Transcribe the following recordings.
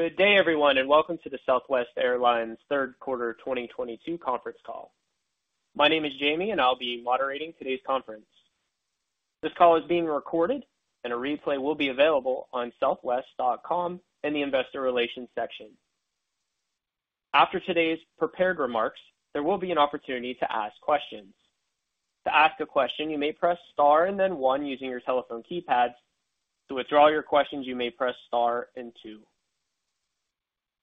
Good day, everyone, and welcome to the Southwest Airlines third quarter 2022 conference call. My name is Jamie, and I'll be moderating today's conference. This call is being recorded, and a replay will be available on southwest.com in the Investor Relations section. After today's prepared remarks, there will be an opportunity to ask questions. To ask a question, you may press star and then one using your telephone keypad. To withdraw your questions, you may press star and two.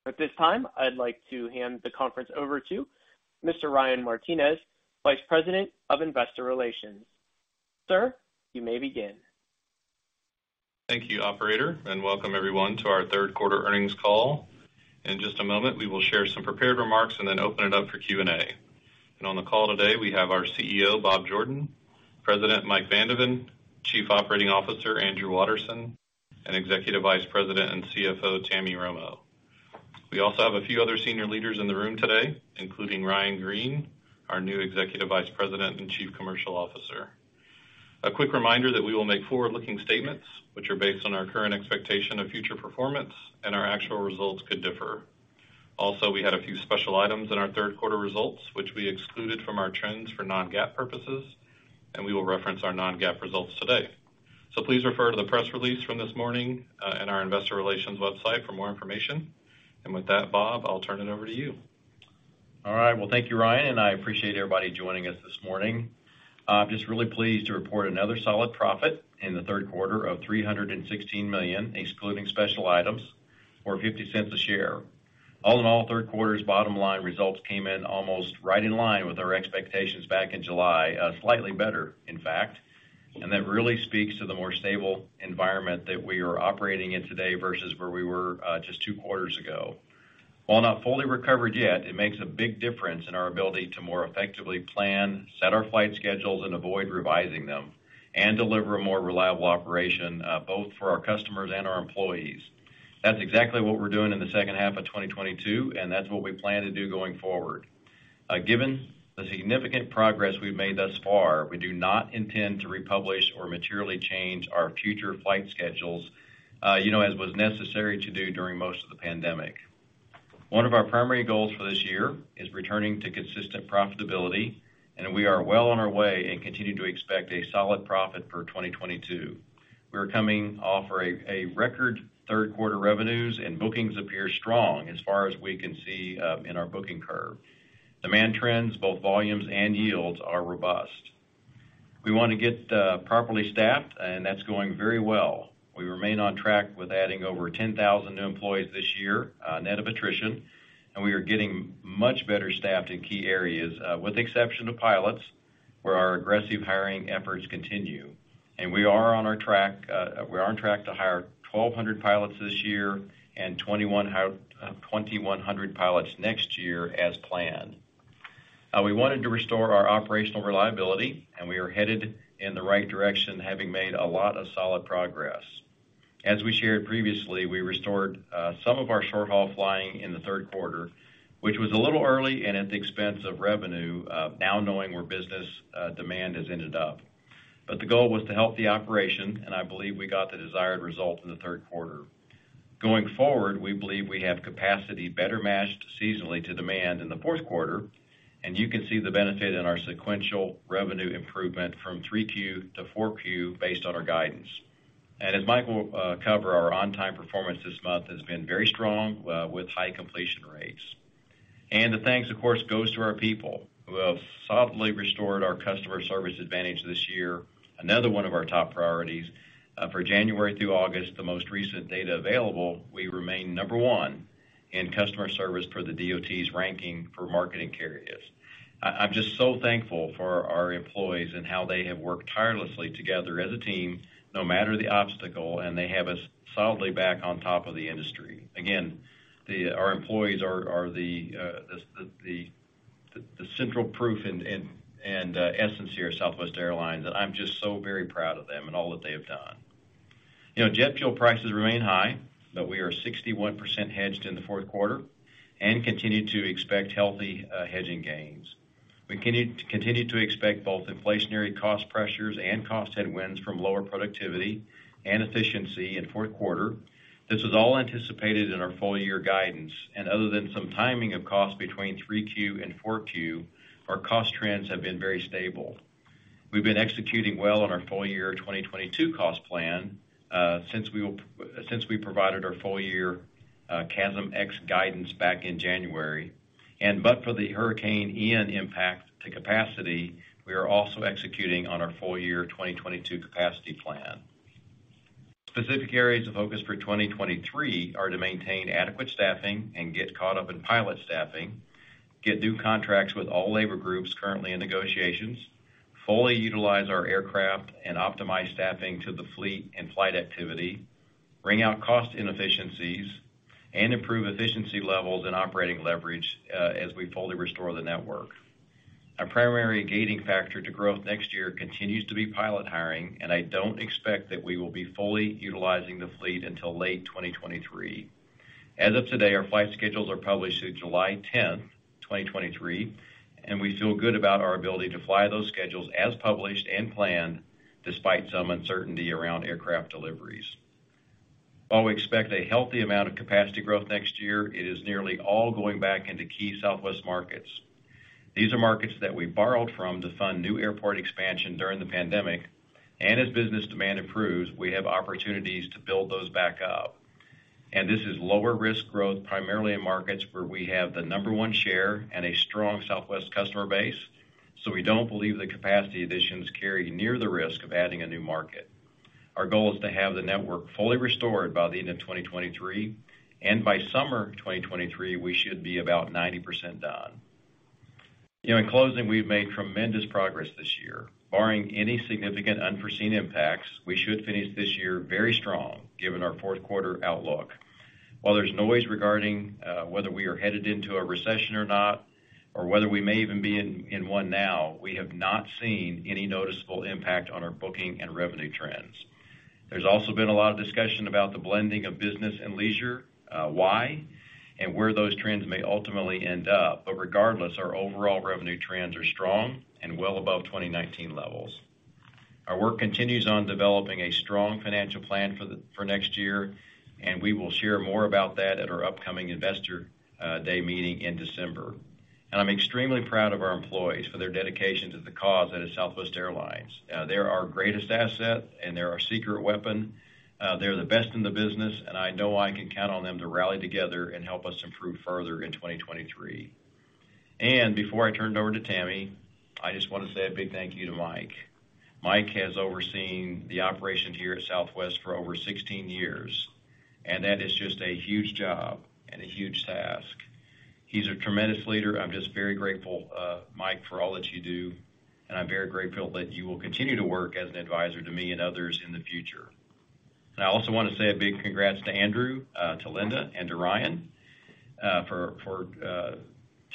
At this time, I'd like to hand the conference over to Mr. Ryan Martinez, Vice President of Investor Relations. Sir, you may begin. Thank you, operator, and welcome everyone to our third quarter earnings call. In just a moment, we will share some prepared remarks and then open it up for Q&A. On the call today, we have our CEO, Bob Jordan, President Mike Van de Ven, Chief Operating Officer Andrew Watterson, and Executive Vice President and CFO Tammy Romo. We also have a few other senior leaders in the room today, including Ryan Green, our new Executive Vice President and Chief Commercial Officer. A quick reminder that we will make forward-looking statements which are based on our current expectation of future performance and our actual results could differ. Also, we had a few special items in our third quarter results, which we excluded from our trends for non-GAAP purposes, and we will reference our non-GAAP results today. Please refer to the press release from this morning in our investor relations website for more information. With that, Bob, I'll turn it over to you. All right. Well, thank you, Ryan, and I appreciate everybody joining us this morning. I'm just really pleased to report another solid profit in the third quarter of $316 million, excluding special items or $0.50 a share. All in all, third quarter's bottom line results came in almost right in line with our expectations back in July, slightly better, in fact. That really speaks to the more stable environment that we are operating in today versus where we were just 2 quarters ago. While not fully recovered yet, it makes a big difference in our ability to more effectively plan, set our flight schedules and avoid revising them and deliver a more reliable operation, both for our customers and our employees. That's exactly what we're doing in the second half of 2022, and that's what we plan to do going forward. Given the significant progress we've made thus far, we do not intend to republish or materially change our future flight schedules, you know, as was necessary to do during most of the pandemic. One of our primary goals for this year is returning to consistent profitability, and we are well on our way and continue to expect a solid profit for 2022. We are coming off a record third quarter revenues and bookings appear strong as far as we can see in our booking curve. Demand trends, both volumes and yields are robust. We wanna get properly staffed, and that's going very well. We remain on track with adding over 10,000 new employees this year, net of attrition, and we are getting much better staffed in key areas with the exception of pilots, where our aggressive hiring efforts continue. We're on track to hire 1,200 pilots this year and 2,100 pilots next year as planned. We wanted to restore our operational reliability, and we are headed in the right direction, having made a lot of solid progress. As we shared previously, we restored some of our short-haul flying in the third quarter, which was a little early and at the expense of revenue, now knowing where business demand has ended up. The goal was to help the operation, and I believe we got the desired result in the third quarter. Going forward, we believe we have capacity better matched seasonally to demand in the fourth quarter, and you can see the benefit in our sequential revenue improvement from 3Q to 4Q based on our guidance. As Mike will cover, our on-time performance this month has been very strong, with high completion rates. The thanks, of course, goes to our people who have solidly restored our customer service advantage this year, another one of our top priorities. For January through August, the most recent data available, we remain number one in customer service for the DOT's ranking for marketing carriers. I'm just so thankful for our employees and how they have worked tirelessly together as a team, no matter the obstacle, and they have us solidly back on top of the industry. Our employees are the central proof and essence here at Southwest Airlines, and I'm just so very proud of them and all that they have done. You know, jet fuel prices remain high, but we are 61% hedged in the fourth quarter and continue to expect healthy hedging gains. We continue to expect both inflationary cost pressures and cost headwinds from lower productivity and efficiency in fourth quarter. This was all anticipated in our full year guidance, and other than some timing of costs between 3Q and 4Q, our cost trends have been very stable. We've been executing well on our full year 2022 cost plan since we provided our full year CASM-X guidance back in January. But for the Hurricane Ian impact to capacity, we are also executing on our full year 2022 capacity plan. Specific areas of focus for 2023 are to maintain adequate staffing and get caught up in pilot staffing, get new contracts with all labor groups currently in negotiations, fully utilize our aircraft and optimize staffing to the fleet and flight activity, wring out cost inefficiencies, and improve efficiency levels and operating leverage, as we fully restore the network. Our primary gating factor to growth next year continues to be pilot hiring, and I don't expect that we will be fully utilizing the fleet until late 2023. As of today, our flight schedules are published through July 10, 2023, and we feel good about our ability to fly those schedules as published and planned. Despite some uncertainty around aircraft deliveries. While we expect a healthy amount of capacity growth next year, it is nearly all going back into key Southwest markets. These are markets that we borrowed from to fund new airport expansion during the pandemic, and as business demand improves, we have opportunities to build those back up. This is lower risk growth, primarily in markets where we have the number one share and a strong Southwest customer base. We don't believe the capacity additions carry near the risk of adding a new market. Our goal is to have the network fully restored by the end of 2023, and by summer 2023, we should be about 90% done. In closing, we've made tremendous progress this year. Barring any significant unforeseen impacts, we should finish this year very strong, given our fourth quarter outlook. While there's noise regarding whether we are headed into a recession or not, or whether we may even be in one now, we have not seen any noticeable impact on our booking and revenue trends. There's also been a lot of discussion about the blending of business and leisure, why and where those trends may ultimately end up, but regardless, our overall revenue trends are strong and well above 2019 levels. Our work continues on developing a strong financial plan for next year, and we will share more about that at our upcoming investor day meeting in December. I'm extremely proud of our employees for their dedication to the cause that is Southwest Airlines. They're our greatest asset and they're our secret weapon. They're the best in the business, and I know I can count on them to rally together and help us improve further in 2023. Before I turn it over to Tammy, I just want to say a big thank you to Mike. Mike has overseen the operations here at Southwest for over 16 years, and that is just a huge job and a huge task. He's a tremendous leader. I'm just very grateful, Mike, for all that you do, and I'm very grateful that you will continue to work as an advisor to me and others in the future. I also want to say a big congrats to Andrew, to Linda, and to Ryan, for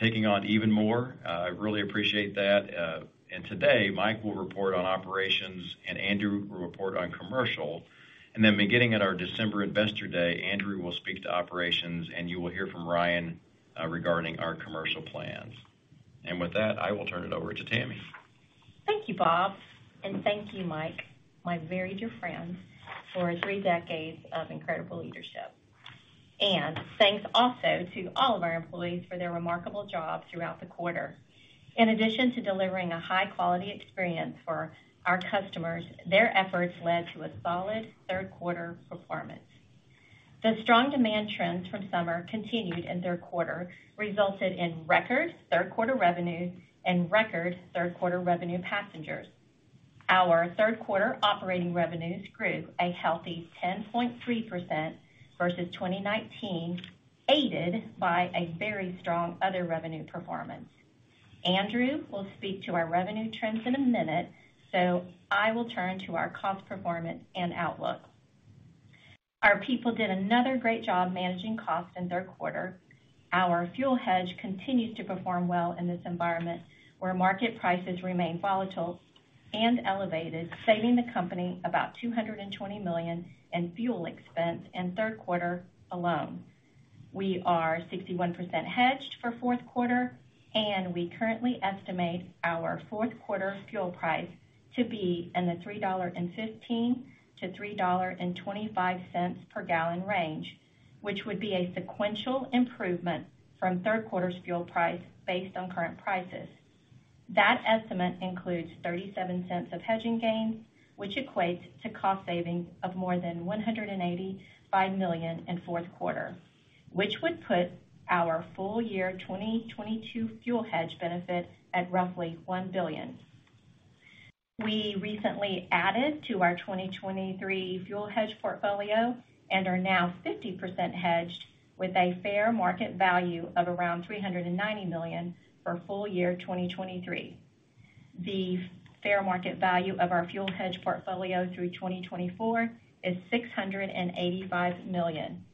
taking on even more. I really appreciate that. Today, Mike will report on operations and Andrew will report on commercial. Then beginning at our December investor day, Andrew will speak to operations, and you will hear from Ryan regarding our commercial plans. With that, I will turn it over to Tammy. Thank you, Bob, and thank you, Mike, my very dear friend, for three decades of incredible leadership. Thanks also to all of our employees for their remarkable job throughout the quarter. In addition to delivering a high quality experience for our customers, their efforts led to a solid third quarter performance. The strong demand trends from summer continued in third quarter, resulted in record third quarter revenue and record third quarter revenue passengers. Our third quarter operating revenues grew a healthy 10.3% versus 2019, aided by a very strong other revenue performance. Andrew will speak to our revenue trends in a minute, so I will turn to our cost performance and outlook. Our people did another great job managing costs in third quarter. Our fuel hedge continues to perform well in this environment where market prices remain volatile and elevated, saving the company about $220 million in fuel expense in third quarter alone. We are 61% hedged for fourth quarter, and we currently estimate our fourth quarter fuel price to be in the $3.15-$3.25 per gallon range, which would be a sequential improvement from third quarter's fuel price based on current prices. That estimate includes $0.37 of hedging gains, which equates to cost savings of more than $185 million in fourth quarter, which would put our full year 2022 fuel hedge benefit at roughly $1 billion. We recently added to our 2023 fuel hedge portfolio and are now 50% hedged with a fair market value of around $390 million for full year 2023. The fair market value of our fuel hedge portfolio through 2024 is $685 million.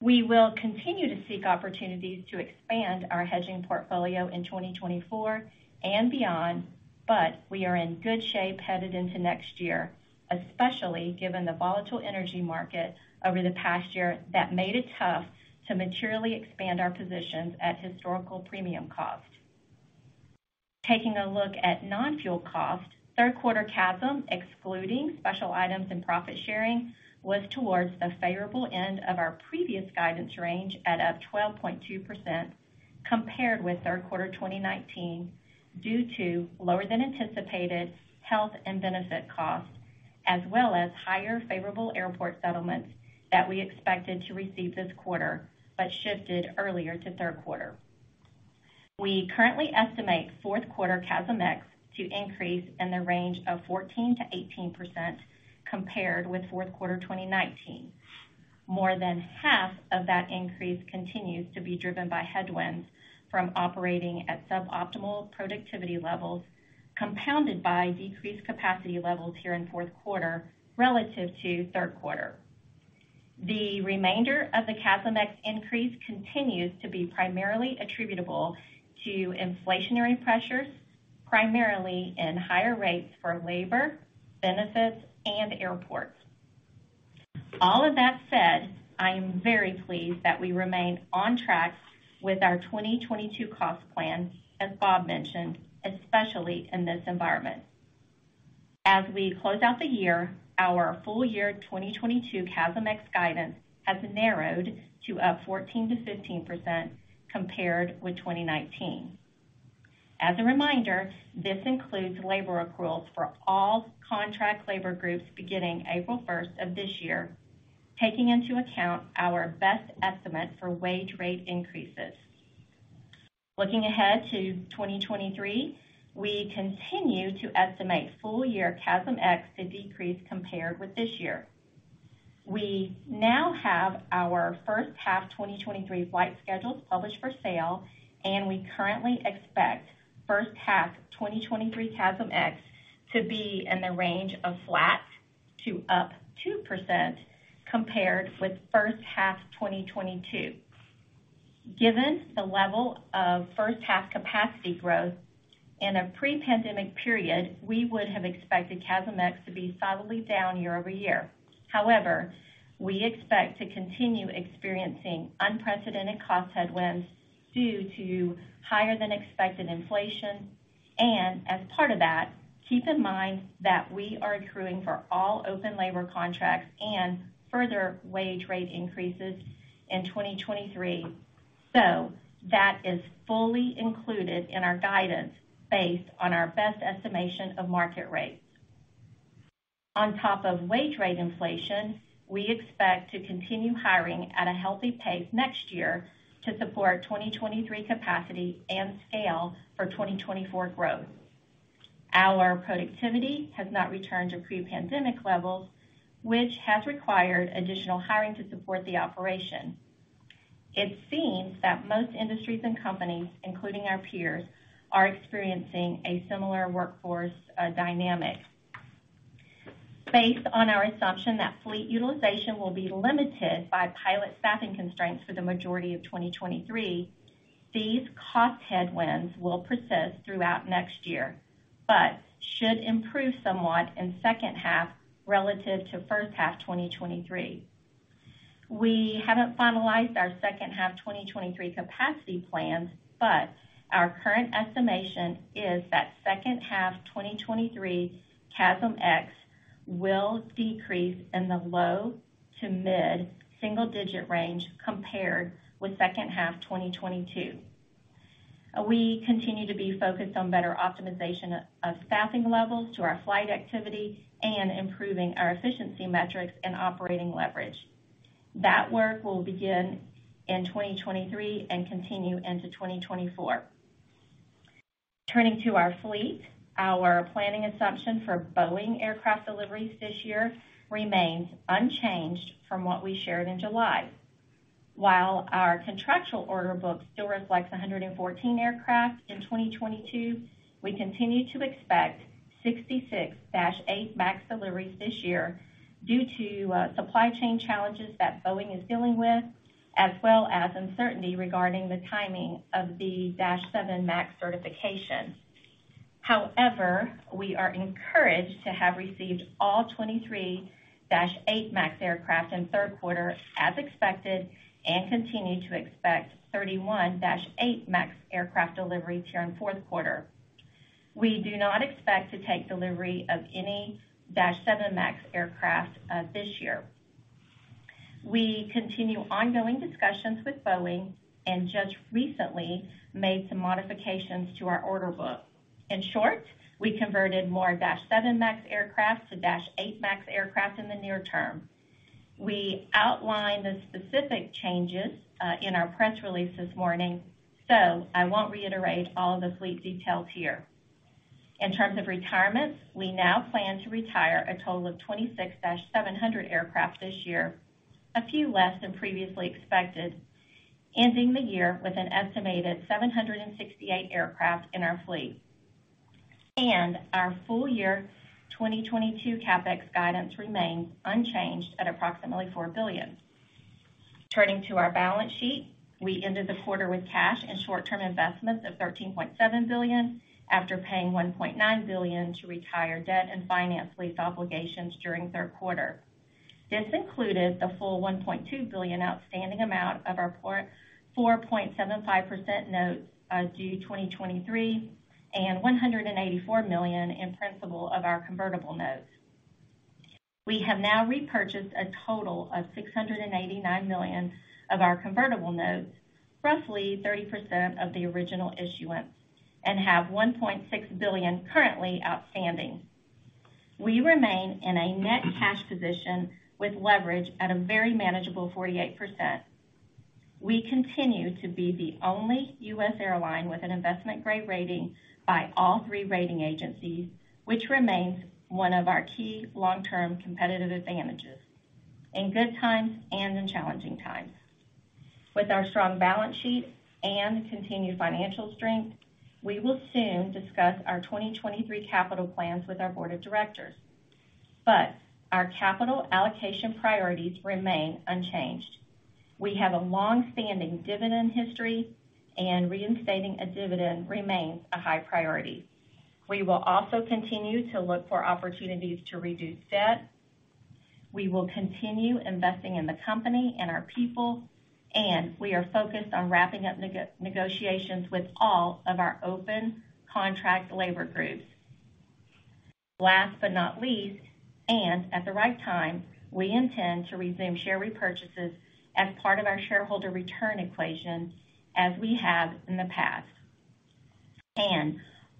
We will continue to seek opportunities to expand our hedging portfolio in 2024 and beyond, but we are in good shape headed into next year, especially given the volatile energy market over the past year that made it tough to materially expand our positions at historical premium cost. Taking a look at non-fuel costs, third quarter CASM, excluding special items and profit sharing, was towards the favorable end of our previous guidance range at up 12.2% compared with third quarter 2019 due to lower than anticipated health and benefit costs, as well as higher favorable airport settlements that we expected to receive this quarter, but shifted earlier to third quarter. We currently estimate fourth quarter CASM-X to increase in the range of 14%-18% compared with fourth quarter 2019. More than half of that increase continues to be driven by headwinds from operating at suboptimal productivity levels, compounded by decreased capacity levels here in fourth quarter relative to third quarter. The remainder of the CASM-X increase continues to be primarily attributable to inflationary pressures, primarily in higher rates for labor, benefits, and airports. All of that said, I am very pleased that we remain on track with our 2022 cost plan, as Bob mentioned, especially in this environment. As we close out the year, our full year 2022 CASM-X guidance has narrowed to up 14%-15% compared with 2019. As a reminder, this includes labor accruals for all contract labor groups beginning April first of this year, taking into account our best estimate for wage rate increases. Looking ahead to 2023, we continue to estimate full year CASM-X to decrease compared with this year. We now have our first half 2023 flight schedules published for sale, and we currently expect first half 2023 CASM-X to be in the range of flat to up 2% compared with first half 2022. Given the level of first half capacity growth in a pre-pandemic period, we would have expected CASM-X to be solidly down year-over-year. However, we expect to continue experiencing unprecedented cost headwinds due to higher than expected inflation. As part of that, keep in mind that we are accruing for all open labor contracts and further wage rate increases in 2023. That is fully included in our guidance based on our best estimation of market rates. On top of wage rate inflation, we expect to continue hiring at a healthy pace next year to support 2023 capacity and scale for 2024 growth. Our productivity has not returned to pre-pandemic levels, which has required additional hiring to support the operation. It seems that most industries and companies, including our peers, are experiencing a similar workforce dynamic. Based on our assumption that fleet utilization will be limited by pilot staffing constraints for the majority of 2023, these cost headwinds will persist throughout next year, but should improve somewhat in second half relative to first half 2023. We haven't finalized our second half 2023 capacity plans, but our current estimation is that second half 2023 CASM-X will decrease in the low to mid single digit range compared with second half 2022. We continue to be focused on better optimization of staffing levels to our flight activity and improving our efficiency metrics and operating leverage. That work will begin in 2023 and continue into 2024. Turning to our fleet, our planning assumption for Boeing aircraft deliveries this year remains unchanged from what we shared in July. While our contractual order book still reflects 114 aircraft in 2022, we continue to expect 66 737 MAX 8 deliveries this year due to supply chain challenges that Boeing is dealing with, as well as uncertainty regarding the timing of the 737 MAX 7 certification. However, we are encouraged to have received all 23 737 MAX 8 aircraft in third quarter as expected, and continue to expect 31 737 MAX 8 aircraft deliveries here in fourth quarter. We do not expect to take delivery of any 737 MAX 7 aircraft this year. We continue ongoing discussions with Boeing and just recently made some modifications to our order book. In short, we converted more Dash seven MAX aircraft to Dash eight MAX aircraft in the near term. We outlined the specific changes in our press release this morning, so I won't reiterate all of the fleet details here. In terms of retirements, we now plan to retire a total of 26 Dash seven hundred aircraft this year, a few less than previously expected, ending the year with an estimated 768 aircraft in our fleet. Our full year 2022 CapEx guidance remains unchanged at approximately $4 billion. Turning to our balance sheet, we ended the quarter with cash and short-term investments of $13.7 billion after paying $1.9 billion to retire debt and finance lease obligations during third quarter. This included the full $1.2 billion outstanding amount of our 4.75% notes due 2023, and $184 million in principal of our convertible notes. We have now repurchased a total of $689 million of our convertible notes, roughly 30% of the original issuance, and have $1.6 billion currently outstanding. We remain in a net cash position with leverage at a very manageable 48%. We continue to be the only US airline with an investment-grade rating by all three rating agencies, which remains one of our key long-term competitive advantages in good times and in challenging times. With our strong balance sheet and continued financial strength, we will soon discuss our 2023 capital plans with our board of directors, but our capital allocation priorities remain unchanged. We have a longstanding dividend history and reinstating a dividend remains a high priority. We will also continue to look for opportunities to reduce debt. We will continue investing in the company and our people, and we are focused on wrapping up negotiations with all of our open contract labor groups. Last but not least, and at the right time, we intend to resume share repurchases as part of our shareholder return equation as we have in the past.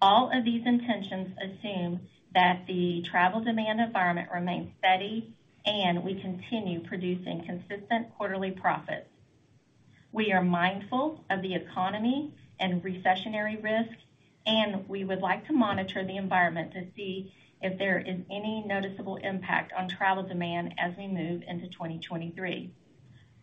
All of these intentions assume that the travel demand environment remains steady and we continue producing consistent quarterly profits. We are mindful of the economy and recessionary risks, and we would like to monitor the environment to see if there is any noticeable impact on travel demand as we move into 2023.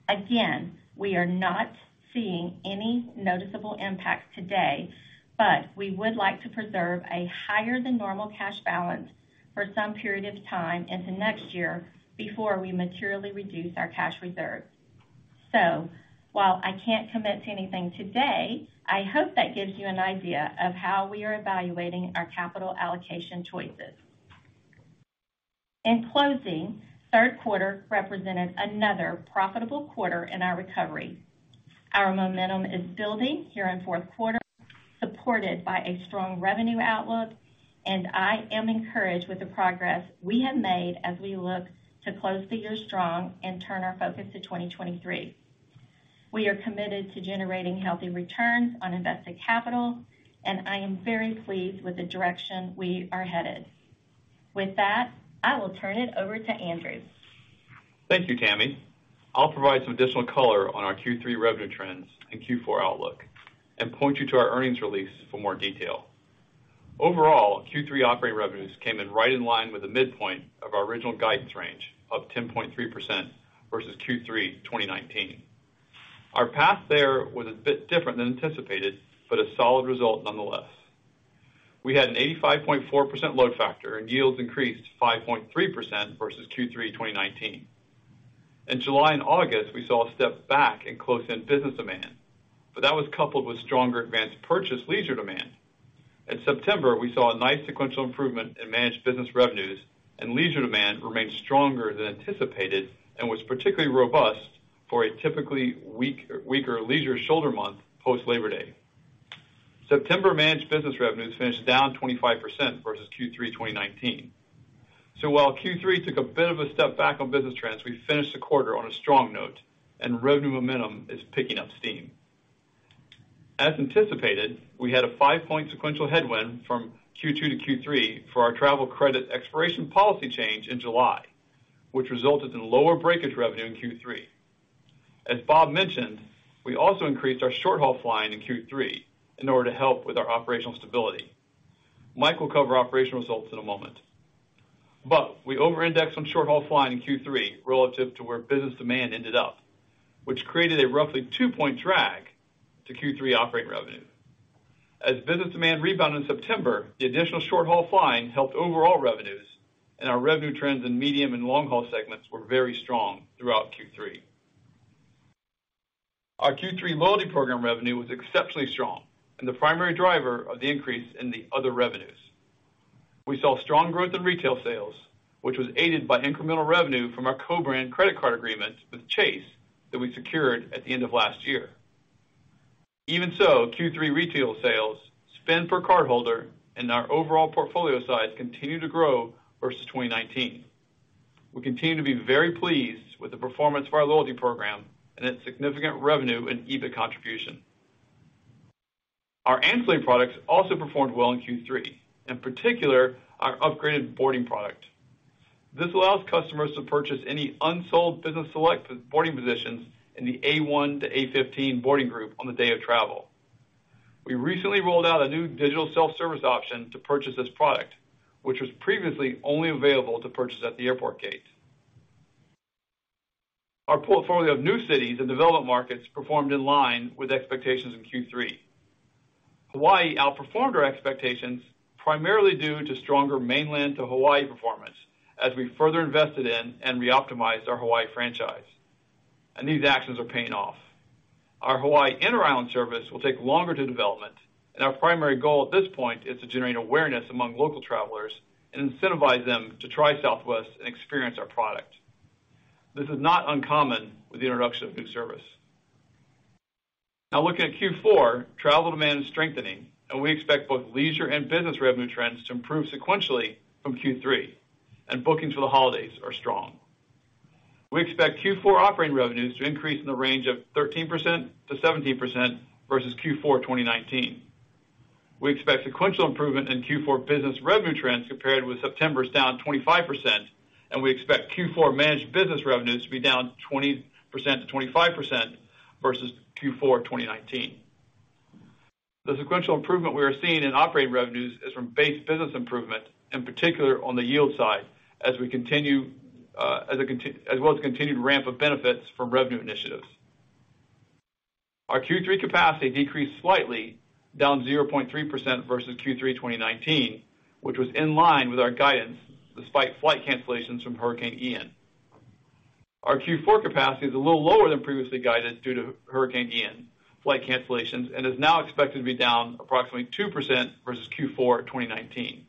Again, we are not seeing any noticeable impact today, but we would like to preserve a higher than normal cash balance for some period of time into next year before we materially reduce our cash reserves. While I can't commit to anything today, I hope that gives you an idea of how we are evaluating our capital allocation choices. In closing, third quarter represented another profitable quarter in our recovery. Our momentum is building here in fourth quarter, supported by a strong revenue outlook, and I am encouraged with the progress we have made as we look to close the year strong and turn our focus to 2023. We are committed to generating healthy returns on invested capital, and I am very pleased with the direction we are headed. With that, I will turn it over to Andrew. Thank you, Tammy. I'll provide some additional color on our Q3 revenue trends and Q4 outlook and point you to our earnings release for more detail. Overall, Q3 operating revenues came in right in line with the midpoint of our original guidance range of 10.3% versus Q3 2019. Our path there was a bit different than anticipated, but a solid result nonetheless. We had an 85.4% load factor and yields increased 5.3% versus Q3 2019. In July and August, we saw a step back in close-in business demand, but that was coupled with stronger advanced purchase leisure demand. In September, we saw a nice sequential improvement in managed business revenues, and leisure demand remained stronger than anticipated and was particularly robust for a typically weaker leisure shoulder month post-Labor Day. September managed business revenues finished down 25% versus Q3 2019. While Q3 took a bit of a step back on business trends, we finished the quarter on a strong note, and revenue momentum is picking up steam. As anticipated, we had a 5-point sequential headwind from Q2 to Q3 for our travel credit expiration policy change in July, which resulted in lower breakage revenue in Q3. As Bob mentioned, we also increased our short-haul flying in Q3 in order to help with our operational stability. Mike will cover operational results in a moment. We over-indexed on short-haul flying in Q3 relative to where business demand ended up, which created a roughly 2-point drag to Q3 operating revenue. As business demand rebounded in September, the additional short-haul flying helped overall revenues, and our revenue trends in medium- and long-haul segments were very strong throughout Q3. Our Q3 loyalty program revenue was exceptionally strong and the primary driver of the increase in the other revenues. We saw strong growth in retail sales, which was aided by incremental revenue from our co-brand credit card agreement with Chase that we secured at the end of last year. Even so, Q3 retail sales, spend per cardholder, and our overall portfolio size continued to grow versus 2019. We continue to be very pleased with the performance of our loyalty program and its significant revenue and EBIT contribution. Our ancillary products also performed well in Q3, in particular our upgraded boarding product. This allows customers to purchase any unsold Business Select boarding positions in the A1 to A15 boarding group on the day of travel. We recently rolled out a new digital self-service option to purchase this product, which was previously only available to purchase at the airport gate. Our portfolio of new cities and development markets performed in line with expectations in Q3. Hawaii outperformed our expectations primarily due to stronger mainland-to-Hawaii performance as we further invested in and reoptimized our Hawaii franchise, and these actions are paying off. Our Hawaii inter-island service will take longer to develop, and our primary goal at this point is to generate awareness among local travelers and incentivize them to try Southwest and experience our product. This is not uncommon with the introduction of new service. Now looking at Q4, travel demand is strengthening, and we expect both leisure and business revenue trends to improve sequentially from Q3, and bookings for the holidays are strong. We expect Q4 operating revenues to increase in the range of 13% to 17% versus Q4 2019. We expect sequential improvement in Q4 business revenue trends compared with September's down 25%, and we expect Q4 managed business revenues to be down 20% to 25% versus Q4 2019. The sequential improvement we are seeing in operating revenues is from base business improvement, in particular on the yield side as we continue, as well as continued ramp of benefits from revenue initiatives. Our Q3 capacity decreased slightly down 0.3% versus Q3 2019, which was in line with our guidance despite flight cancellations from Hurricane Ian. Our Q4 capacity is a little lower than previously guided due to Hurricane Ian flight cancellations, and is now expected to be down approximately 2% versus Q4 2019.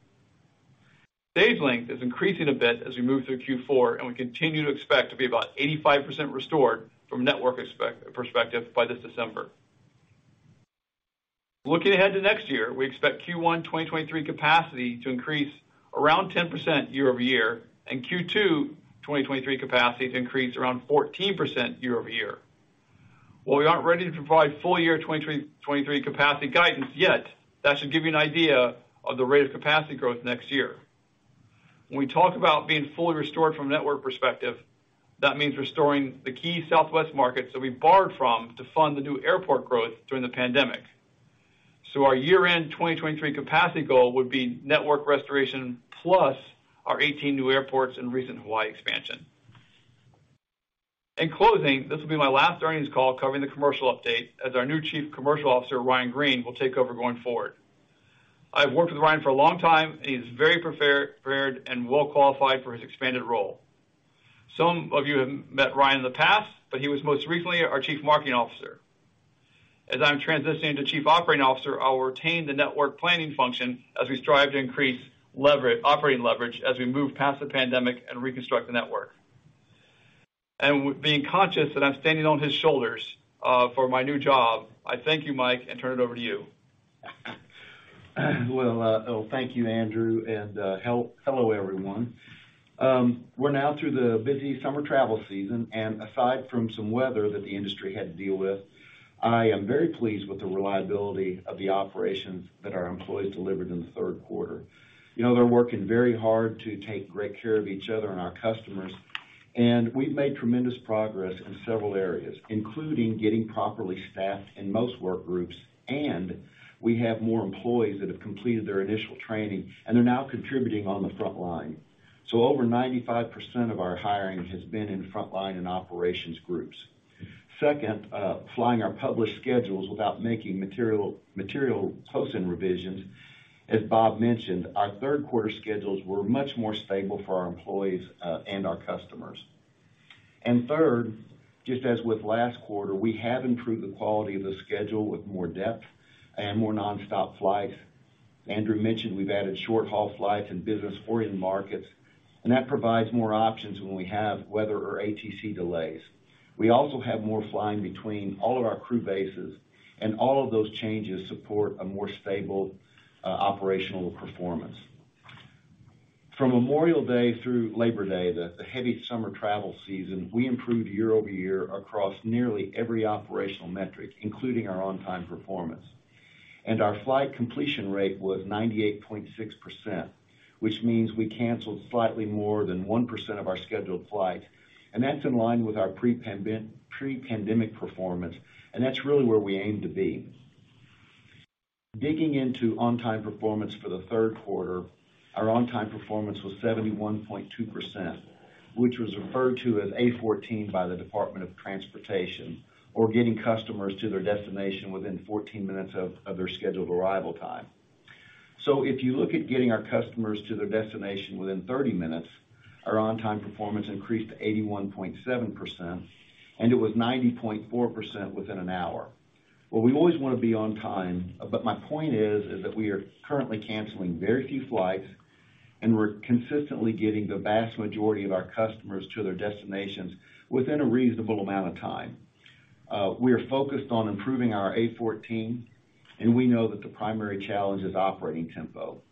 Stage length is increasing a bit as we move through Q4, and we continue to expect to be about 85% restored from network perspective by this December. Looking ahead to next year, we expect Q1 2023 capacity to increase around 10% year-over-year, and Q2 2023 capacity to increase around 14% year-over-year. While we aren't ready to provide full year 2023 capacity guidance yet, that should give you an idea of the rate of capacity growth next year. When we talk about being fully restored from a network perspective, that means restoring the key Southwest markets that we borrowed from to fund the new airport growth during the pandemic. Our year-end 2023 capacity goal would be network restoration plus our 18 new airports and recent Hawaii expansion. In closing, this will be my last earnings call covering the commercial update as our new Chief Commercial Officer, Ryan Green, will take over going forward. I've worked with Ryan for a long time, and he's very prepared and well qualified for his expanded role. Some of you have met Ryan in the past, but he was most recently our Chief Marketing Officer. As I'm transitioning to Chief Operating Officer, I will retain the network planning function as we strive to increase operating leverage as we move past the pandemic and reconstruct the network. Being conscious that I'm standing on his shoulders, for my new job, I thank you, Mike, and turn it over to you. Thank you, Andrew, and hello, everyone. We're now through the busy summer travel season, and aside from some weather that the industry had to deal with, I am very pleased with the reliability of the operations that our employees delivered in the third quarter. You know, they're working very hard to take great care of each other and our customers, and we've made tremendous progress in several areas, including getting properly staffed in most work groups, and we have more employees that have completed their initial training and are now contributing on the front line. Over 95% of our hiring has been in frontline and operations groups. Second, flying our published schedules without making material posts and revisions. As Bob mentioned, our third quarter schedules were much more stable for our employees and our customers. Third, just as with last quarter, we have improved the quality of the schedule with more depth and more nonstop flights. Andrew mentioned we've added short-haul flights in business foreign markets, and that provides more options when we have weather or ATC delays. We also have more flying between all of our crew bases, and all of those changes support a more stable, operational performance. From Memorial Day through Labor Day, the heavy summer travel season, we improved year-over-year across nearly every operational metric, including our on-time performance. Our flight completion rate was 98.6%, which means we canceled slightly more than 1% of our scheduled flights, and that's in line with our pre-pandemic performance, and that's really where we aim to be. Digging into on-time performance for the third quarter, our on-time performance was 71.2%, which was referred to as A14 by the Department of Transportation, or getting customers to their destination within 14 minutes of their scheduled arrival time. If you look at getting our customers to their destination within 30 minutes, our on-time performance increased to 81.7%, and it was 90.4% within an hour. Well, we always wanna be on time, but my point is that we are currently canceling very few flights, and we're consistently getting the vast majority of our customers to their destinations within a reasonable amount of time. We are focused on improving our A14, and we know that the primary challenge is operating tempo.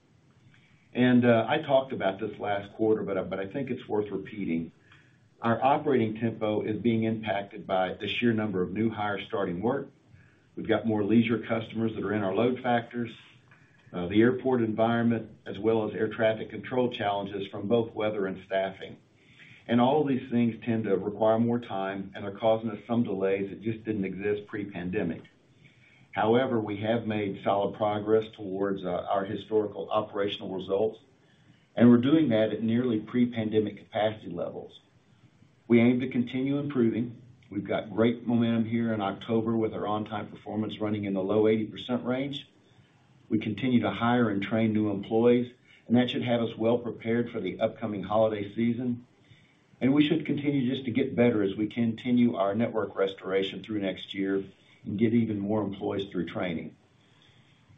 I talked about this last quarter, but I think it's worth repeating. Our operating tempo is being impacted by the sheer number of new hires starting work. We've got more leisure customers that are in our load factors, the airport environment, as well as air traffic control challenges from both weather and staffing. All of these things tend to require more time and are causing us some delays that just didn't exist pre-pandemic. However, we have made solid progress towards our historical operational results, and we're doing that at nearly pre-pandemic capacity levels. We aim to continue improving. We've got great momentum here in October with our on-time performance running in the low 80% range. We continue to hire and train new employees, and that should have us well prepared for the upcoming holiday season. We should continue just to get better as we continue our network restoration through next year and get even more employees through training.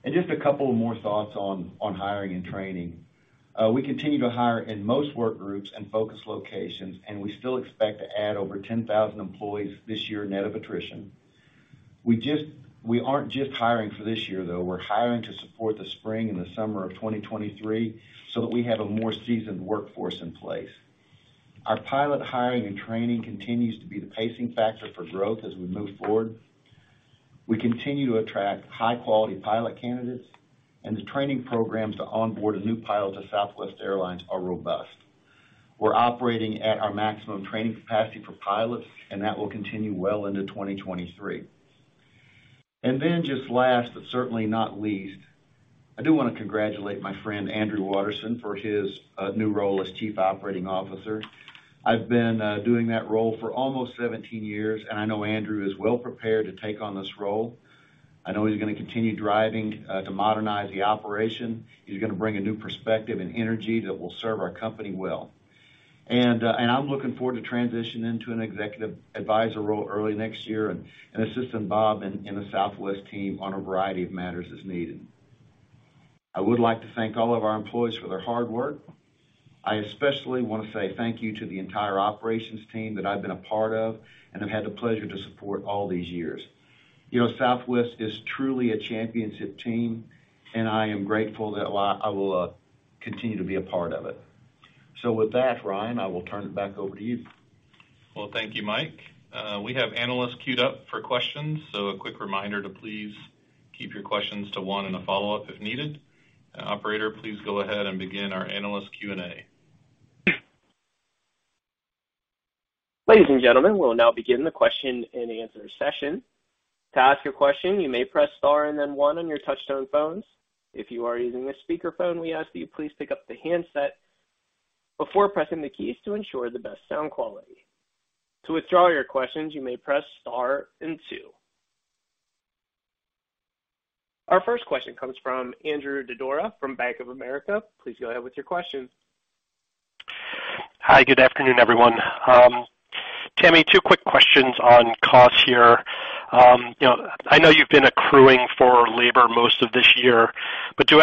Just a couple more thoughts on hiring and training. We continue to hire in most work groups and focus locations, and we still expect to add over 10,000 employees this year net of attrition. We aren't just hiring for this year, though. We're hiring to support the spring and the summer of 2023 so that we have a more seasoned workforce in place. Our pilot hiring and training continues to be the pacing factor for growth as we move forward. We continue to attract high-quality pilot candidates, and the training programs to onboard a new pilot to Southwest Airlines are robust. We're operating at our maximum training capacity for pilots, and that will continue well into 2023. Just last, but certainly not least. I do wanna congratulate my friend, Andrew Watterson, for his new role as Chief Operating Officer. I've been doing that role for almost 17 years, and I know Andrew is well prepared to take on this role. I know he's gonna continue driving to modernize the operation. He's gonna bring a new perspective and energy that will serve our company well. I'm looking forward to transition into an executive advisor role early next year and assisting Bob and the Southwest team on a variety of matters as needed. I would like to thank all of our employees for their hard work. I especially wanna say thank you to the entire operations team that I've been a part of and have had the pleasure to support all these years. You know, Southwest is truly a championship team, and I am grateful that I will continue to be a part of it. With that, Ryan, I will turn it back over to you. Well, thank you, Mike. We have analysts queued up for questions. A quick reminder to please keep your questions to one and a follow-up if needed. Operator, please go ahead and begin our analyst Q&A. Ladies and gentlemen, we'll now begin the question-and-answer session. To ask your question, you may press star and then one on your touchtone phones. If you are using a speakerphone, we ask that you please pick up the handset before pressing the keys to ensure the best sound quality. To withdraw your questions, you may press star and two. Our first question comes from Andrew Didora from Bank of America. Please go ahead with your question. Hi. Good afternoon, everyone. Tammy, two quick questions on costs here. You know, I know you've been accruing for labor most of this year, but does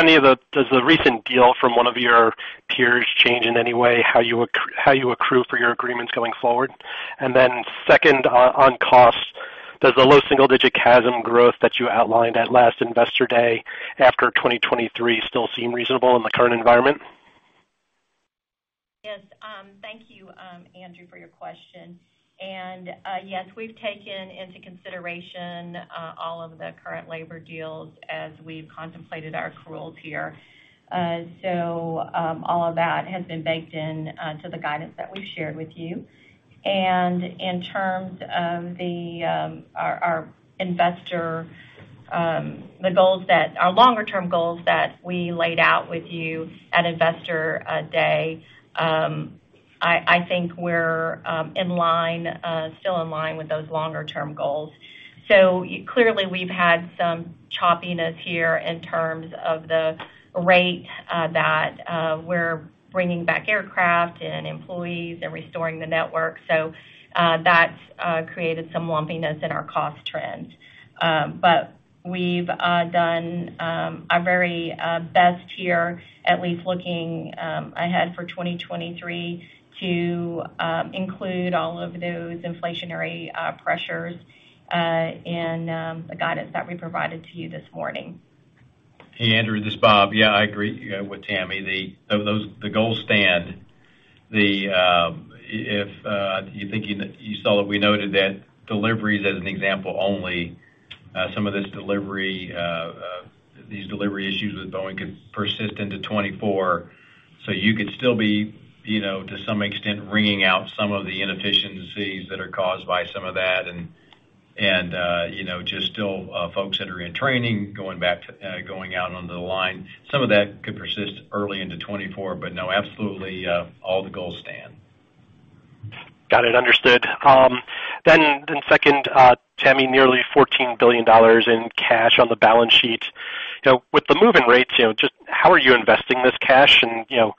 the recent deal from one of your peers change in any way how you accrue for your agreements going forward? Then second, on costs, does the low single digit CASM growth that you outlined at last Investor Day after 2023 still seem reasonable in the current environment? Yes. Thank you, Andrew, for your question. Yes, we've taken into consideration all of the current labor deals as we've contemplated our accrual tier. All of that has been baked in to the guidance that we've shared with you. In terms of our longer-term goals that we laid out with you at Investor Day, I think we're still in line with those longer-term goals. Clearly, we've had some choppiness here in terms of the rate that we're bringing back aircraft and employees and restoring the network. That's created some lumpiness in our cost trend. We've done our very best here, at least looking ahead for 2023 to include all of those inflationary pressures in the guidance that we provided to you this morning. Hey, Andrew, this is Bob. Yeah, I agree, you know, with Tammy. The goals stand. If you think you saw that we noted that deliveries as an example only, some of this delivery, these delivery issues with Boeing could persist into 2024. You could still be, you know, to some extent, wringing out some of the inefficiencies that are caused by some of that and, you know, just still, folks that are in training going back to, going out onto the line. Some of that could persist early into 2024. No, absolutely, all the goals stand. Got it. Understood. Second, Tammy, nearly $14 billion in cash on the balance sheet. You know, with the move in rates, you know, just how are you investing this cash? You know,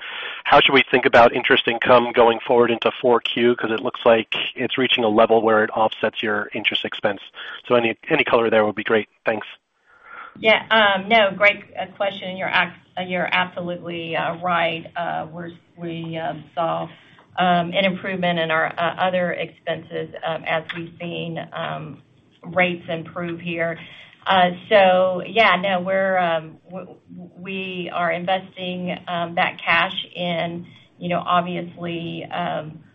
how should we think about interest income going forward into 4Q? 'Cause it looks like it's reaching a level where it offsets your interest expense. Any color there would be great. Thanks. Yeah. No, great question. You're absolutely right. We saw an improvement in our other expenses as we've seen rates improve here. Yeah, no, we're investing that cash in, you know, obviously,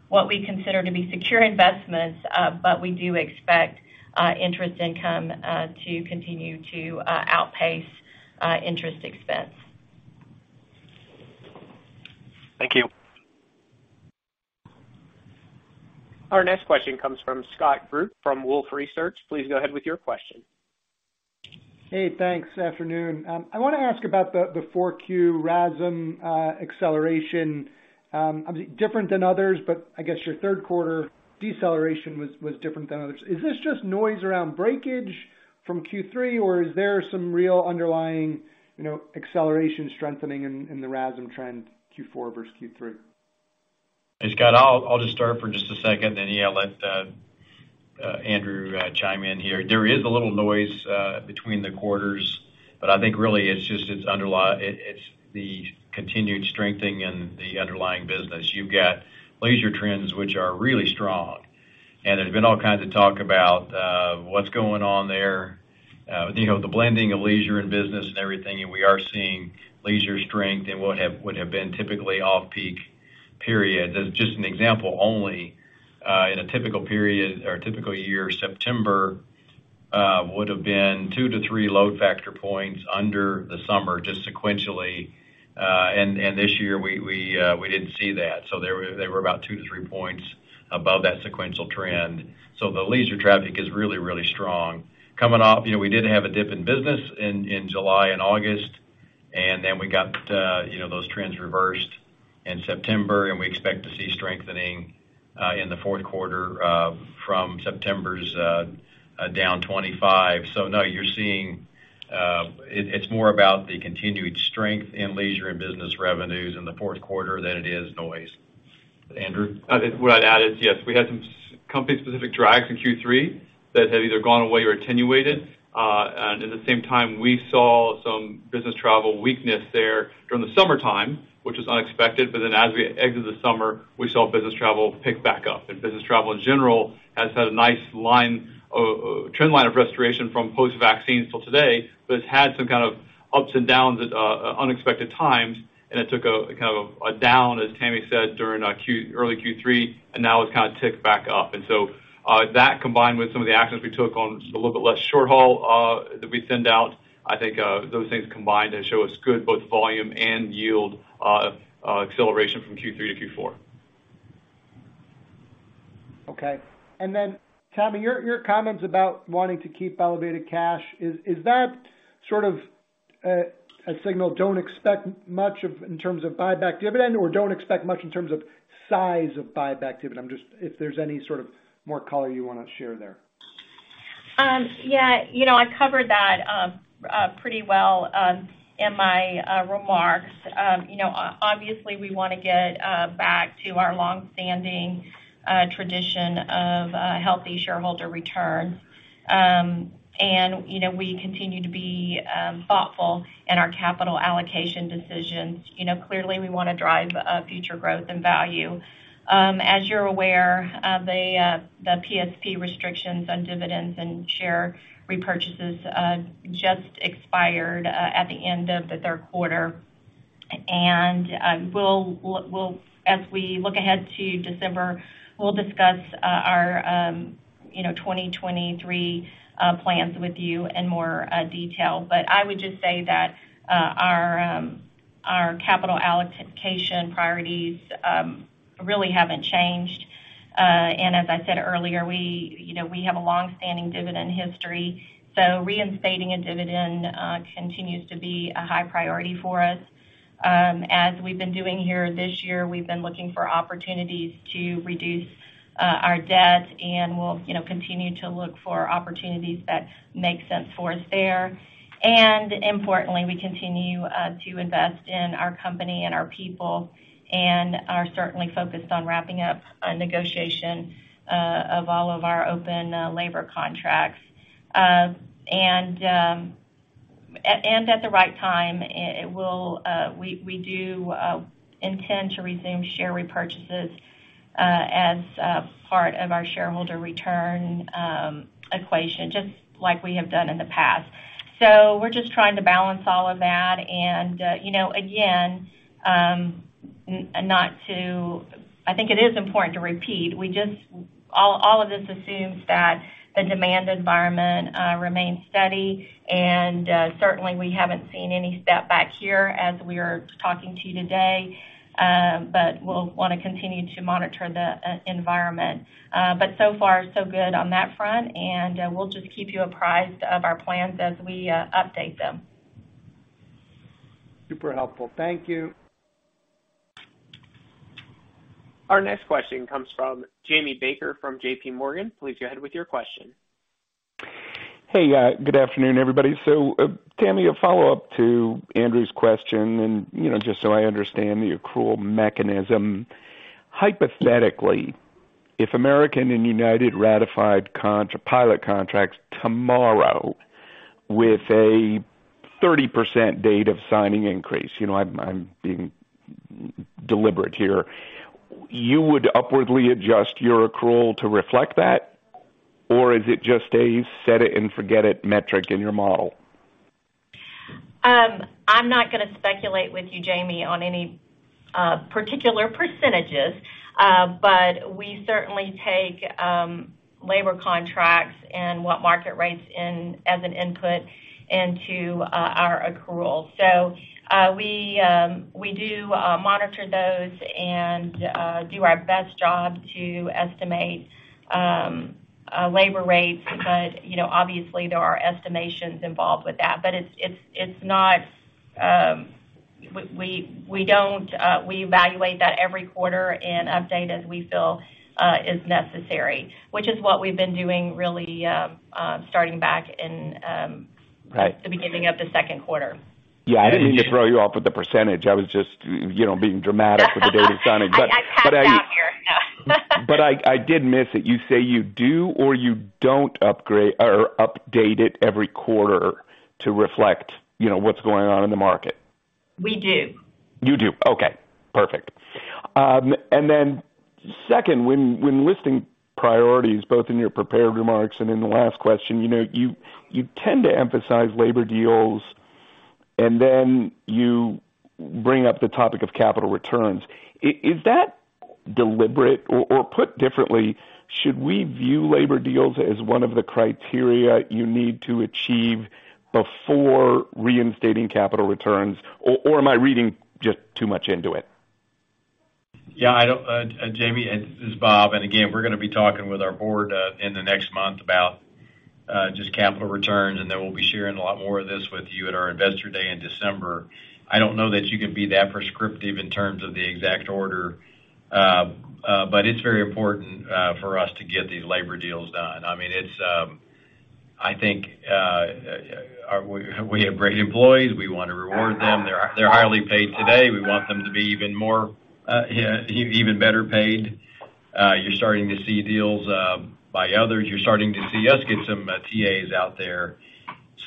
what we consider to be secure investments, but we do expect interest income to continue to outpace interest expense. Thank you. Our next question comes from Scott Group from Wolfe Research. Please go ahead with your question. Hey, thanks. Afternoon. I wanna ask about the 4Q RASM acceleration. Obviously different than others, but I guess your third quarter deceleration was different than others. Is this just noise around breakage from Q3, or is there some real underlying, you know, acceleration strengthening in the RASM trend Q4 versus Q3? Hey, Scott. I'll just start for just a second, then yeah, let Andrew chime in here. There is a little noise between the quarters, but I think really it's just the continued strengthening in the underlying business. You've got leisure trends which are really strong, and there's been all kinds of talk about what's going on there. You know, the blending of leisure and business and everything, and we are seeing leisure strength in what would have been typically off-peak period. That's just an example only. In a typical period or typical year, September would have been 2-3 load factor points under the summer, just sequentially, and this year we didn't see that. They were about 2-3 points above that sequential trend. The leisure traffic is really, really strong. Coming off, we did have a dip in business in July and August, and then we got those trends reversed in September, and we expect to see strengthening in the fourth quarter from September's down 25%. No, you're seeing it's more about the continued strength in leisure and business revenues in the fourth quarter than it is noise. Andrew? What I'd add is, yes, we had some company-specific drags in Q3 that have either gone away or attenuated. At the same time, we saw some business travel weakness there during the summertime, which was unexpected. As we exited the summer, we saw business travel pick back up. Business travel, in general, has had a nice linear trend line of restoration from post-vaccine till today, but it's had some kind of ups and downs at unexpected times. It took kind of a down, as Tammy said, during early Q3, and now it's kind of ticked back up. That combined with some of the actions we took on just a little bit less short haul, that we send out, I think, those things combined to show us good both volume and yield, acceleration from Q3 to Q4. Okay. Then, Tammy, your comments about wanting to keep elevated cash, is that sort of a signal don't expect much of in terms of buyback dividend or don't expect much in terms of size of buyback dividend? I'm just. If there's any sort of more color you wanna share there. Yeah, you know, I covered that pretty well in my remarks. You know, obviously, we wanna get back to our long-standing tradition of a healthy shareholder return. You know, we continue to be thoughtful in our capital allocation decisions. You know, clearly we wanna drive future growth and value. As you're aware of the PSP restrictions on dividends and share repurchases just expired at the end of the third quarter. As we look ahead to December, we'll discuss our 2023 plans with you in more detail. I would just say that our capital allocation priorities really haven't changed. As I said earlier, we, you know, we have a long-standing dividend history, so reinstating a dividend continues to be a high priority for us. As we've been doing here this year, we've been looking for opportunities to reduce our debt, and we'll, you know, continue to look for opportunities that make sense for us there. Importantly, we continue to invest in our company and our people and are certainly focused on wrapping up a negotiation of all of our open labor contracts. At the right time, we do intend to resume share repurchases as part of our shareholder return equation, just like we have done in the past. We're just trying to balance all of that. I think it is important to repeat, all of this assumes that the demand environment remains steady, and certainly we haven't seen any step back here as we are talking to you today. We'll wanna continue to monitor the economic environment. So far, so good on that front, and we'll just keep you apprised of our plans as we update them. Super helpful. Thank you. Our next question comes from Jamie Baker from JP Morgan. Please go ahead with your question. Hey, good afternoon, everybody. Tammy, a follow-up to Andrew's question and, you know, just so I understand the accrual mechanism. Hypothetically, if American and United ratified pilot contracts tomorrow with a 30% date of signing increase, you know, I'm being deliberate here, you would upwardly adjust your accrual to reflect that, or is it just a set it and forget it metric in your model? I'm not gonna speculate with you, Jamie, on any particular percentages. We certainly take labor contracts and what market rates in as an input into our accrual. We do monitor those and do our best job to estimate labor rates. You know, obviously there are estimations involved with that. It's not we don't evaluate that every quarter and update as we feel is necessary, which is what we've been doing really, starting back in Right. the beginning of the second quarter. Yeah, I didn't mean to throw you off with the percentage. I was just, you know, being dramatic with the date of signing. I tracked down here. Yeah. I did miss it. You say you do or you don't upgrade or update it every quarter to reflect, you know, what's going on in the market? We do. You do. Okay, perfect. Second, when listing priorities both in your prepared remarks and in the last question, you know, you tend to emphasize labor deals, and then you bring up the topic of capital returns. Is that put differently, should we view labor deals as one of the criteria you need to achieve before reinstating capital returns? Am I reading just too much into it? Yeah, I don't, Jamie. It's Bob. Again, we're gonna be talking with our board in the next month about just capital returns, and then we'll be sharing a lot more of this with you at our Investor Day in December. I don't know that you can be that prescriptive in terms of the exact order. It's very important for us to get these labor deals done. I mean, it's. I think we have great employees. We wanna reward them. They're highly paid today. We want them to be even more, yeah, even better paid. You're starting to see deals by others. You're starting to see us get some TAs out there.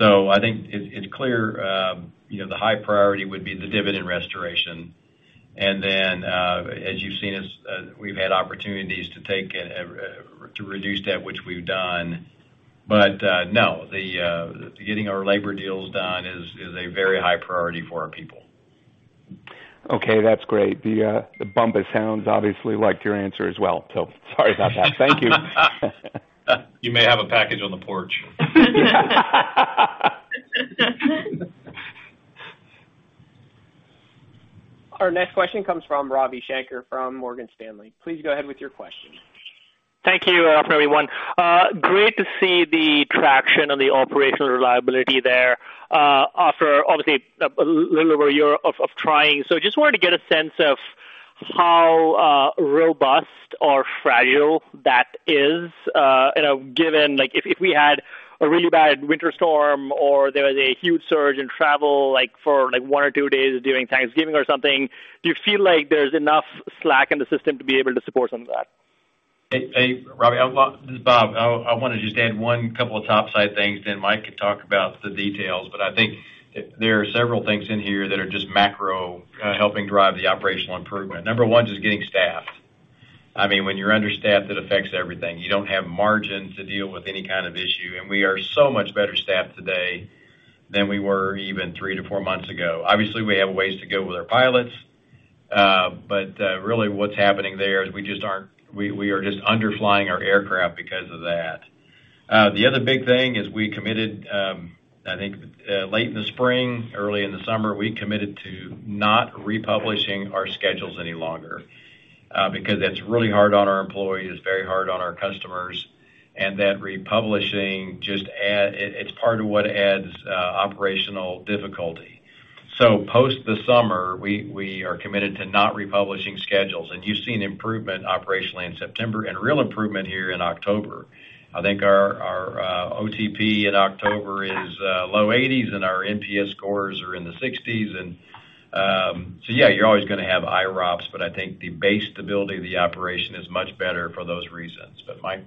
I think it's clear, you know, the high priority would be the dividend restoration. As you've seen, we've had opportunities to take to reduce debt, which we've done. No, the getting our labor deals done is a very high priority for our people. Okay, that's great. The bump it sounds obviously like your answer as well. Sorry about that. Thank you. You may have a package on the porch. Our next question comes from Ravi Shanker from Morgan Stanley. Please go ahead with your question. Thank you, everyone. Great to see the traction and the operational reliability there, after obviously a little over a year of trying. Just wanted to get a sense of how robust or fragile that is, you know, given, like, if we had a really bad winter storm or there was a huge surge in travel, like for one or two days during Thanksgiving or something, do you feel like there's enough slack in the system to be able to support some of that? Hey, hey, Ravi. This is Bob. I wanna just add one couple of top side things, then Mike could talk about the details. I think there are several things in here that are just macro, helping drive the operational improvement. Number one is just getting staffed. I mean, when you're understaffed, it affects everything. You don't have margin to deal with any kind of issue. We are so much better staffed today than we were even 3-4 months ago. Obviously, we have a ways to go with our pilots, but really what's happening there is we are just under flying our aircraft because of that. The other big thing is we committed, I think, late in the spring, early in the summer, we committed to not republishing our schedules any longer, because that's really hard on our employees, it's very hard on our customers. That republishing just adds. It, it's part of what adds operational difficulty. Post the summer, we are committed to not republishing schedules. You've seen improvement operationally in September and real improvement here in October. I think our OTP in October is low 80s and our NPS scores are in the 60s. Yeah, you're always gonna have IROPS, but I think the base stability of the operation is much better for those reasons. But Mike.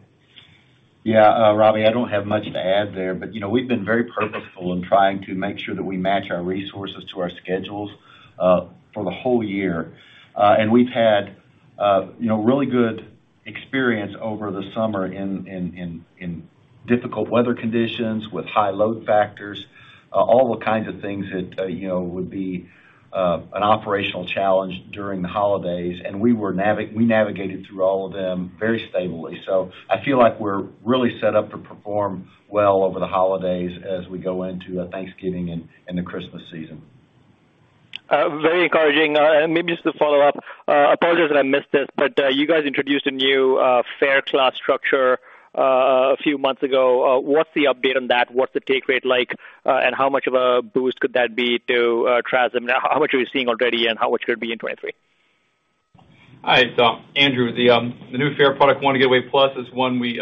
Yeah, Ravi, I don't have much to add there, but you know, we've been very purposeful in trying to make sure that we match our resources to our schedules for the whole year. We've had, you know, really good experience over the summer in difficult weather conditions with high load factors, all the kinds of things that, you know, would be an operational challenge during the holidays. We were we navigated through all of them very stably. I feel like we're really set up to perform well over the holidays as we go into the Thanksgiving and the Christmas season. Very encouraging. Maybe just to follow up, apologies that I missed this, but you guys introduced a new fare class structure a few months ago. What's the update on that? What's the take rate like? How much of a boost could that be to TRASM now? How much are we seeing already, and how much could it be in 2023? Hi, it's Andrew. The new fare product, Wanna Get Away Plus, is one we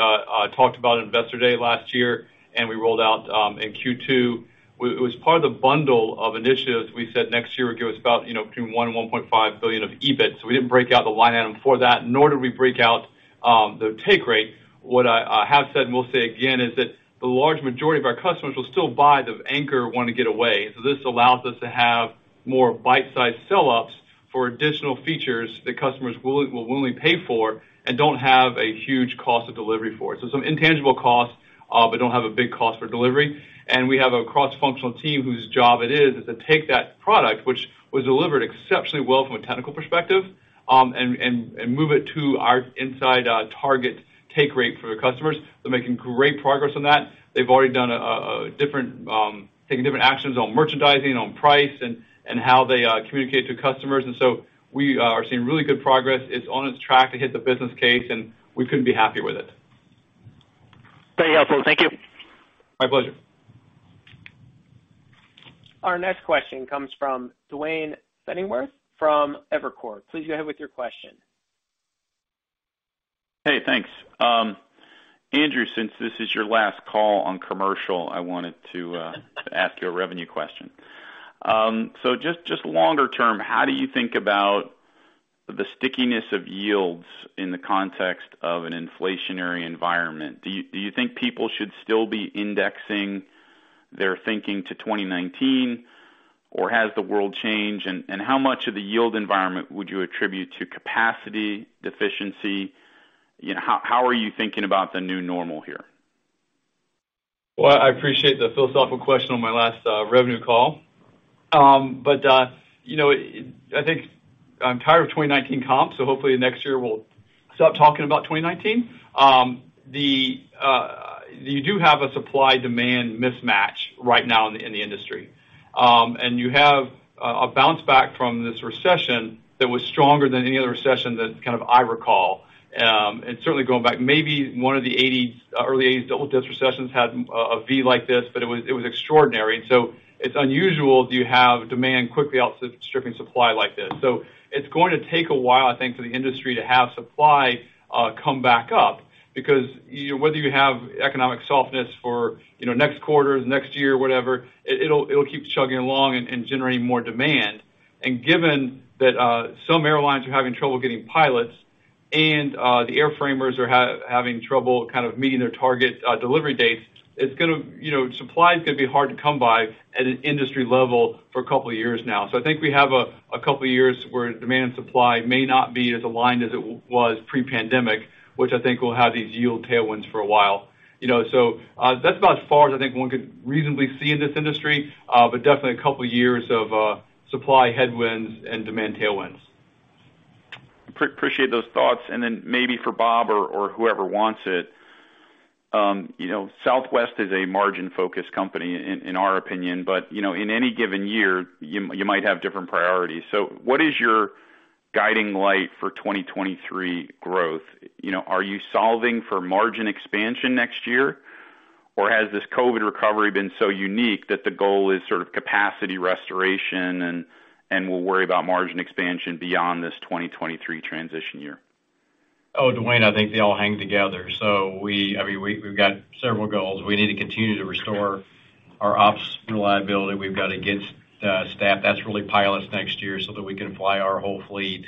talked about at Investor Day last year, and we rolled out in Q2. It was part of the bundle of initiatives we said next year would give us about, you know, between $1 billion and $1.5 billion of EBIT. We didn't break out the line item for that, nor did we break out the take rate. What I have said and will say again, is that the large majority of our customers will still buy the anchor Wanna Get Away. This allows us to have more bite-sized sell offs for additional features that customers will willingly pay for and don't have a huge cost of delivery for it. Some intangible costs, but don't have a big cost for delivery. We have a cross-functional team whose job it is to take that product, which was delivered exceptionally well from a technical perspective, and move it to our inside target take rate for the customers. They're making great progress on that. They've already taken different actions on merchandising, on price, and how they communicate to customers. We are seeing really good progress. It's on track to hit the business case, and we couldn't be happier with it. Very helpful. Thank you. My pleasure. Our next question comes from Duane Pfennigwerth from Evercore. Please go ahead with your question. Hey, thanks. Andrew, since this is your last call on commercial, I wanted to ask you a revenue question. So just longer term, how do you think about the stickiness of yields in the context of an inflationary environment? Do you think people should still be indexing their thinking to 2019 or has the world changed? And how much of the yield environment would you attribute to capacity deficiency? You know, how are you thinking about the new normal here? Well, I appreciate the philosophical question on my last revenue call. You know, I think I'm tired of 2019 comps, so hopefully next year we'll stop talking about 2019. You do have a supply-demand mismatch right now in the industry. You have a bounce back from this recession that was stronger than any other recession that kind of I recall. Certainly going back, maybe one of the early 1980s double dip recessions had a V like this, but it was extraordinary. It's unusual to have demand quickly outstripping supply like this. It's going to take a while, I think, for the industry to have supply come back up because whether you have economic softness for, you know, next quarter, next year, whatever, it'll keep chugging along and generating more demand. Given that, some airlines are having trouble getting pilots and the airframers are having trouble kind of meeting their target delivery dates, it's gonna, you know, supply is gonna be hard to come by at an industry level for a couple of years now. I think we have a couple of years where demand and supply may not be as aligned as it was pre-pandemic, which I think will have these yield tailwinds for a while. You know, that's about as far as I think one could reasonably see in this industry, but definitely a couple of years of supply headwinds and demand tailwinds. Appreciate those thoughts. Maybe for Bob or whoever wants it. You know, Southwest is a margin-focused company in our opinion, but you know, in any given year, you might have different priorities. What is your guiding light for 2023 growth? You know, are you solving for margin expansion next year? Or has this COVID recovery been so unique that the goal is sort of capacity restoration and we'll worry about margin expansion beyond this 2023 transition year? Oh, Duane, I think they all hang together. I mean, we've got several goals. We need to continue to restore our ops reliability. We've got to get staff that's really pilots next year so that we can fly our whole fleet.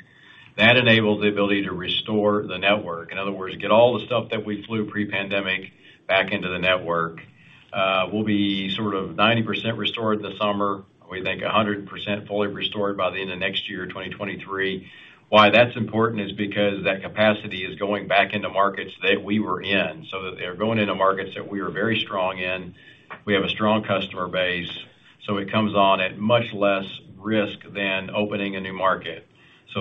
That enables the ability to restore the network. In other words, get all the stuff that we flew pre-pandemic back into the network. We'll be sort of 90% restored in the summer. We think 100% fully restored by the end of next year, 2023. Why that's important is because that capacity is going back into markets that we were in, so that they're going into markets that we are very strong in. We have a strong customer base, so it comes on at much less risk than opening a new market.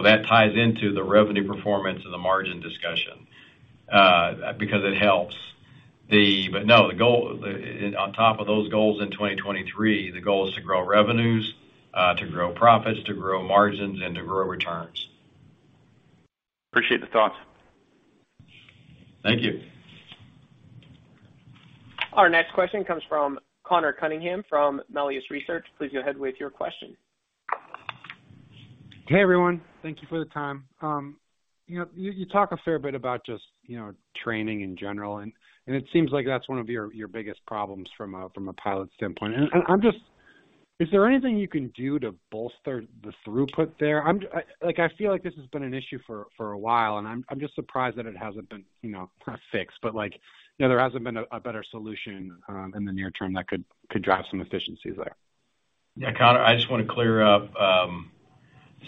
that ties into the revenue performance and the margin discussion, because it helps. On top of those goals in 2023, the goal is to grow revenues, to grow profits, to grow margins, and to grow returns. Appreciate the thoughts. Thank you. Our next question comes from Conor Cunningham from Melius Research. Please go ahead with your question. Hey, everyone. Thank you for the time. You know, you talk a fair bit about just, you know, training in general, and it seems like that's one of your biggest problems from a pilot standpoint. Is there anything you can do to bolster the throughput there? Like, I feel like this has been an issue for a while, and I'm just surprised that it hasn't been, you know, fixed, but like, you know, there hasn't been a better solution in the near term that could drive some efficiencies there. Yeah, Conor, I just wanna clear up,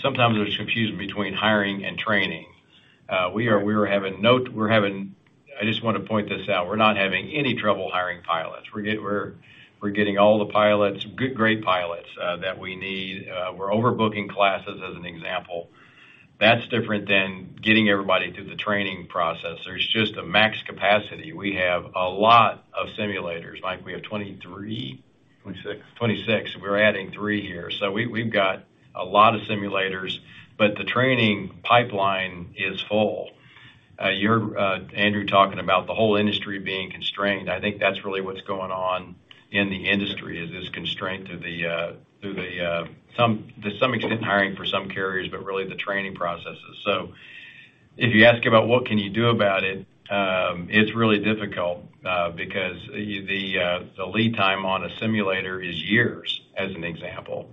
sometimes there's confusion between hiring and training. I just wanna point this out, we're not having any trouble hiring pilots. We're getting all the pilots, great pilots, that we need. We're overbooking classes as an example. That's different than getting everybody through the training process. There's just a max capacity. We have a lot of simulators. Mike, we have 23? Twenty-six. 26. We're adding 3 here. We've got a lot of simulators, but the training pipeline is full. You're Andrew, talking about the whole industry being constrained. I think that's really what's going on in the industry, is this constraint to some extent in hiring for some carriers, but really the training processes. If you ask about what can you do about it's really difficult, because the lead time on a simulator is years, as an example.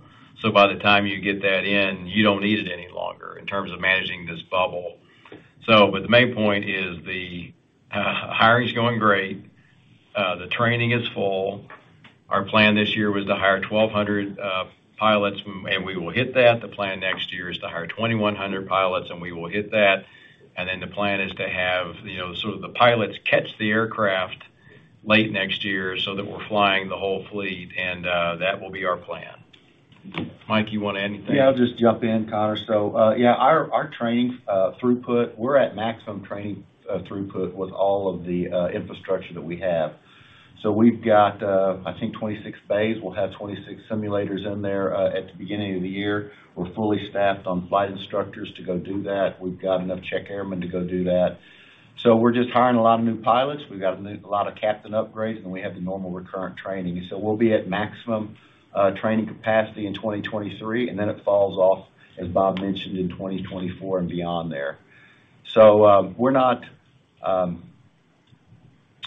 By the time you get that in, you don't need it any longer in terms of managing this bubble. The main point is the hiring is going great. The training is full. Our plan this year was to hire 1,200 pilots, and we will hit that. The plan next year is to hire 2,100 pilots, and we will hit that. Then the plan is to have, you know, sort of the pilots catch the aircraft late next year so that we're flying the whole fleet. That will be our plan. Mike, you want to add anything? Yeah, I'll just jump in, Conor. Our training throughput, we're at maximum training throughput with all of the infrastructure that we have. We've got, I think, 26 bays. We'll have 26 simulators in there at the beginning of the year. We're fully staffed on flight instructors to go do that. We've got enough check airmen to go do that. We're just hiring a lot of new pilots. We've got a lot of captain upgrades, and we have the normal recurrent training. We'll be at maximum training capacity in 2023, and then it falls off, as Bob mentioned, in 2024 and beyond there.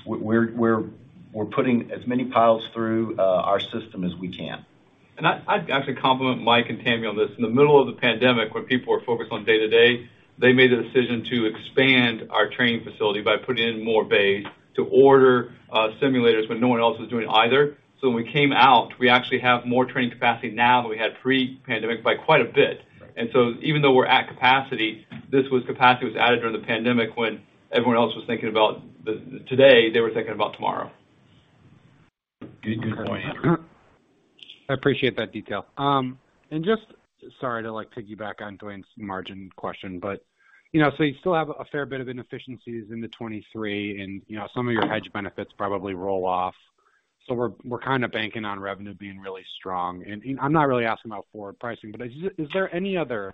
We're putting as many pilots through our system as we can. I'd actually compliment Mike and Tammy on this. In the middle of the pandemic, when people were focused on day-to-day, they made the decision to expand our training facility by putting in more bays to order simulators when no one else was doing it either. So when we came out, we actually have more training capacity now than we had pre-pandemic by quite a bit. Even though we're at capacity, this capacity was added during the pandemic when everyone else was thinking about today, they were thinking about tomorrow. Good point. I appreciate that detail. Just sorry to, like, piggyback on Duane's margin question, but, you know, so you still have a fair bit of inefficiencies in the 2023 and, you know, some of your hedge benefits probably roll off. So we're kind of banking on revenue being really strong. I'm not really asking about forward pricing, but is there any other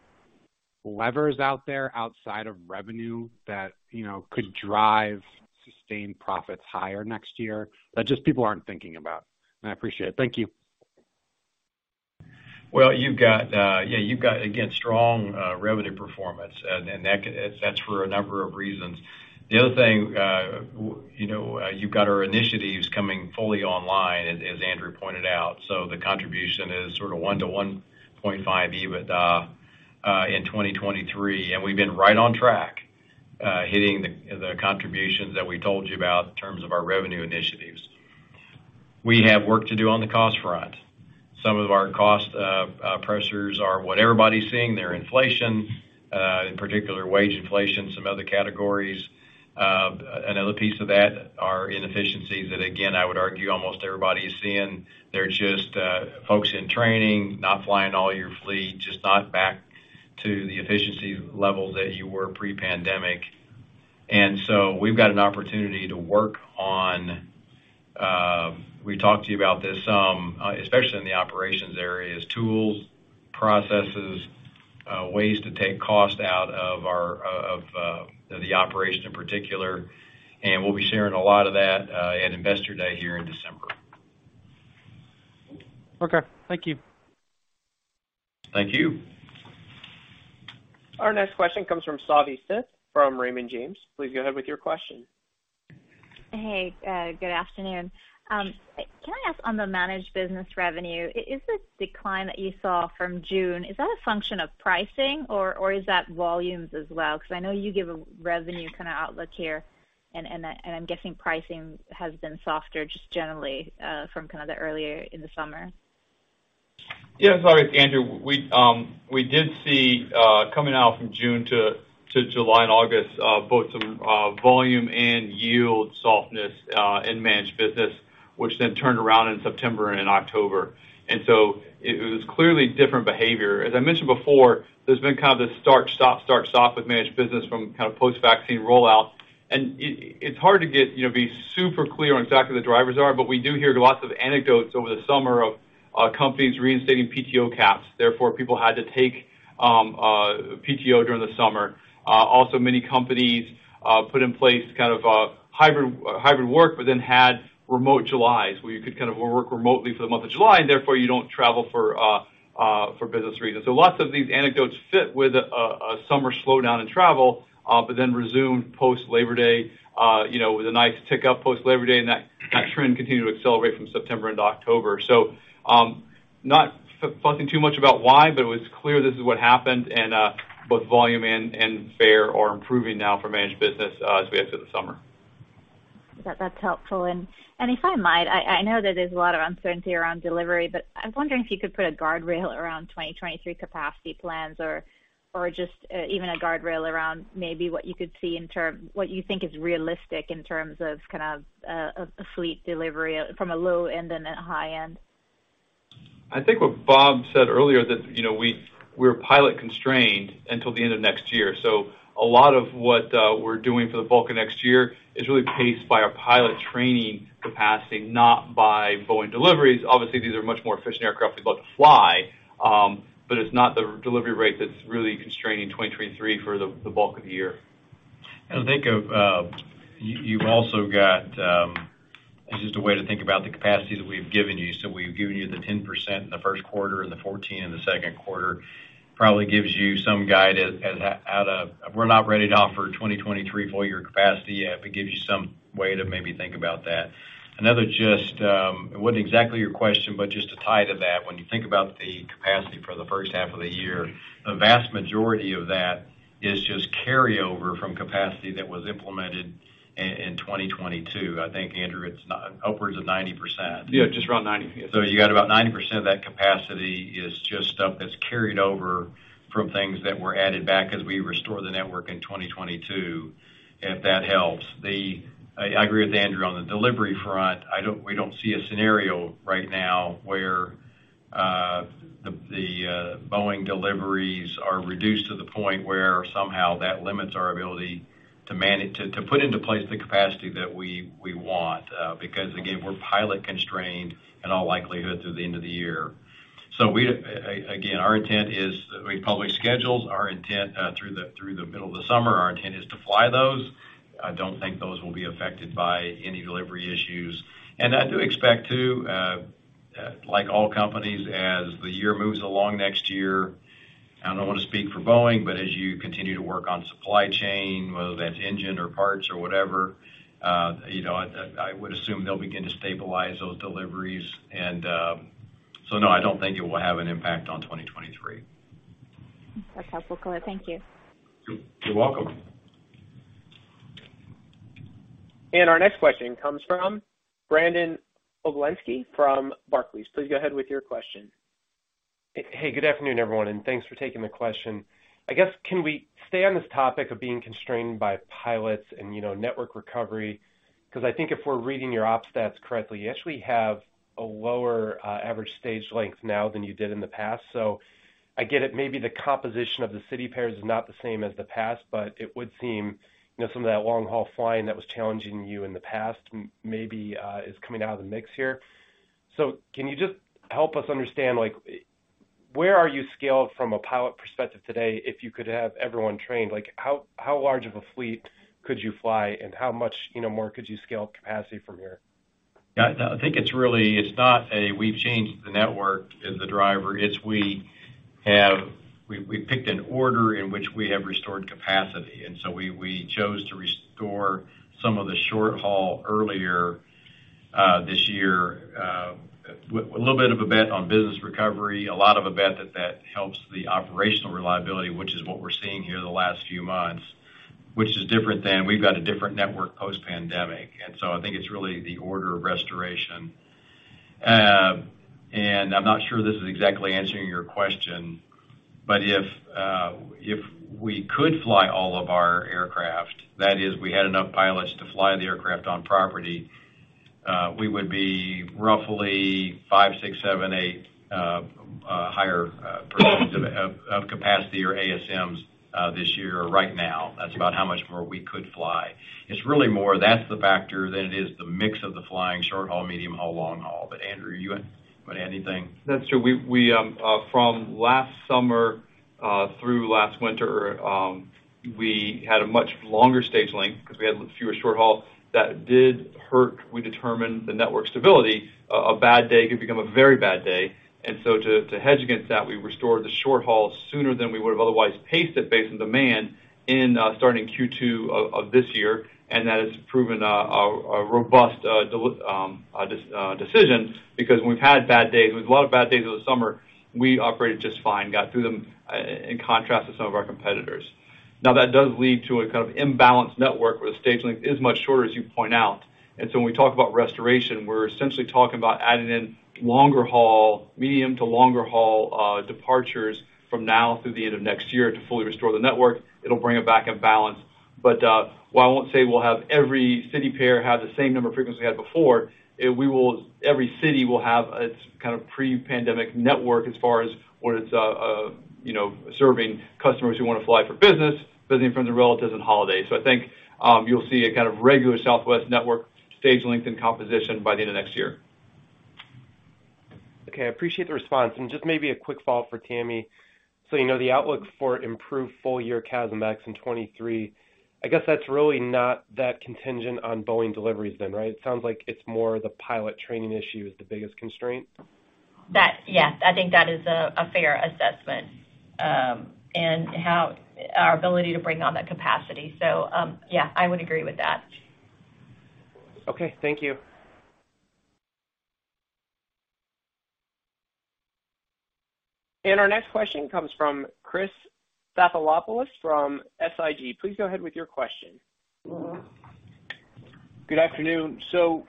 levers out there outside of revenue that, you know, could drive sustained profits higher next year that just people aren't thinking about? I appreciate it. Thank you. Well, you've got again strong revenue performance and that's for a number of reasons. The other thing, you know, you've got our initiatives coming fully online as Andrew pointed out. The contribution is sort of 1 to 1.5 EBIT in 2023, and we've been right on track hitting the contributions that we told you about in terms of our revenue initiatives. We have work to do on the cost front. Some of our cost pressures are what everybody's seeing. They're inflation, in particular wage inflation, some other categories. Another piece of that are inefficiencies that again, I would argue almost everybody is seeing. They're just folks in training, not flying all your fleet, just not back to the efficiency level that you were pre-pandemic. We've got an opportunity to work on. We talked to you about this some, especially in the operations areas, tools, processes, ways to take cost out of the operation in particular. We'll be sharing a lot of that at Investor Day here in December. Okay. Thank you. Thank you. Our next question comes from Savanthi Syth from Raymond James. Please go ahead with your question. Hey, good afternoon. Can I ask on the managed business revenue, is the decline that you saw from June a function of pricing or is that volumes as well? Because I know you give a revenue kind of outlook here, and I'm guessing pricing has been softer just generally from kind of the earlier in the summer. Yeah. Sorry, it's Andrew. We did see coming out from June to July and August both some volume and yield softness in managed business, which then turned around in September and October. It was clearly different behavior. As I mentioned before, there's been kind of this start, stop, start, stop with managed business from kind of post-vaccine rollout. It's hard to get, you know, be super clear on exactly the drivers are, but we do hear lots of anecdotes over the summer of companies reinstating PTO caps. Therefore, people had to take PTO during the summer. Also, many companies put in place kind of a hybrid work, but then had remote July where you could kind of work remotely for the month of July, and therefore you don't travel for business reasons. Lots of these anecdotes fit with a summer slowdown in travel, but then resumed post Labor Day, you know, with a nice tick up post Labor Day, and that trend continued to accelerate from September into October. Not talking too much about why, but it was clear this is what happened and both volume and fare are improving now for managed business as we head through the summer. That's helpful. If I might, I know that there's a lot of uncertainty around delivery, but I'm wondering if you could put a guardrail around 2023 capacity plans or just even a guardrail around maybe what you think is realistic in terms of kind of a fleet delivery from a low end and a high end. I think what Bob said earlier that, you know, we're pilot constrained until the end of next year. A lot of what we're doing for the bulk of next year is really paced by our pilot training capacity, not by Boeing deliveries. Obviously, these are much more efficient aircraft about to fly, but it's not the delivery rate that's really constraining 2023 for the bulk of the year. Think of you. You've also got just a way to think about the capacity that we've given you. We've given you the 10% in the first quarter and the 14% in the second quarter. Probably gives you some guide. We're not ready to offer 2023 full year capacity yet, but gives you some way to maybe think about that. Another just, it wasn't exactly your question, but just to tie to that, when you think about the capacity for the first half of the year, the vast majority of that is just carry over from capacity that was implemented in 2022. I think, Andrew, it's not upwards of 90%. Yeah, just around 90. You got about 90% of that capacity is just stuff that's carried over from things that were added back as we restore the network in 2022, if that helps. I agree with Andrew on the delivery front. We don't see a scenario right now where the Boeing deliveries are reduced to the point where somehow that limits our ability to manage to put into place the capacity that we want, because again, we're pilot constrained in all likelihood through the end of the year. Again, our intent is that we publish schedules. Our intent through the middle of the summer, our intent is to fly those. I don't think those will be affected by any delivery issues. I do expect too, like all companies, as the year moves along next year, I don't wanna speak for Boeing, but as you continue to work on supply chain, whether that's engine or parts or whatever, you know, I would assume they'll begin to stabilize those deliveries. No, I don't think it will have an impact on 2023. That's helpful, clear. Thank you. You're welcome. Our next question comes from Brandon Oglenski from Barclays. Please go ahead with your question. Hey, good afternoon, everyone, and thanks for taking the question. I guess, can we stay on this topic of being constrained by pilots and, you know, network recovery? 'Cause I think if we're reading your ops stats correctly, you actually have a lower average stage length now than you did in the past. I get it, maybe the composition of the city pairs is not the same as the past, but it would seem, you know, some of that long-haul flying that was challenging you in the past maybe is coming out of the mix here. Can you just help us understand, like where are you scaled from a pilot perspective today, if you could have everyone trained? Like, how large of a fleet could you fly, and how much, you know, more could you scale capacity from here? Yeah. No, I think it's really not that we've changed the network that is the driver. It's that we picked an order in which we have restored capacity. We chose to restore some of the short haul earlier this year with a little bit of a bet on business recovery, a lot of a bet that helps the operational reliability, which is what we're seeing over the last few months, which is different than that we've got a different network post-pandemic. I think it's really the order of restoration. I'm not sure this is exactly answering your question, but if we could fly all of our aircraft, that is we had enough pilots to fly the aircraft on property, we would be roughly 5-8% higher percent of capacity or ASMs this year right now. That's about how much more we could fly. It's really more that's the factor than it is the mix of the flying short haul, medium haul, long haul. Andrew, you want to add anything? That's true. From last summer through last winter, we had a much longer stage length because we had fewer short haul. That did hurt, we determined, the network stability. A bad day could become a very bad day. To hedge against that, we restored the short haul sooner than we would have otherwise paced it based on demand in starting Q2 of this year. That has proven a robust decision because when we've had bad days, there was a lot of bad days over the summer, we operated just fine, got through them in contrast to some of our competitors. Now, that does lead to a kind of imbalanced network where the stage length is much shorter, as you point out. When we talk about restoration, we're essentially talking about adding in longer haul, medium to longer haul, departures from now through the end of next year to fully restore the network. It'll bring it back in balance. While I won't say we'll have every city pair have the same number of frequency we had before, we will. Every city will have its kind of pre-pandemic network as far as whether it's, you know, serving customers who want to fly for business, visiting friends and relatives on holidays. I think you'll see a kind of regular Southwest network stage length and composition by the end of next year. Okay. I appreciate the response. Just maybe a quick follow-up for Tammy. You know, the outlook for improved full year CASM-X in 2023, I guess that's really not that contingent on Boeing deliveries then, right? It sounds like it's more the pilot training issue is the biggest constraint. Yes. I think that is a fair assessment and how our ability to bring on that capacity. Yeah, I would agree with that. Okay. Thank you. Our next question comes from Chris Stathoulopoulos from SIG. Please go ahead with your question. Good afternoon. Bob,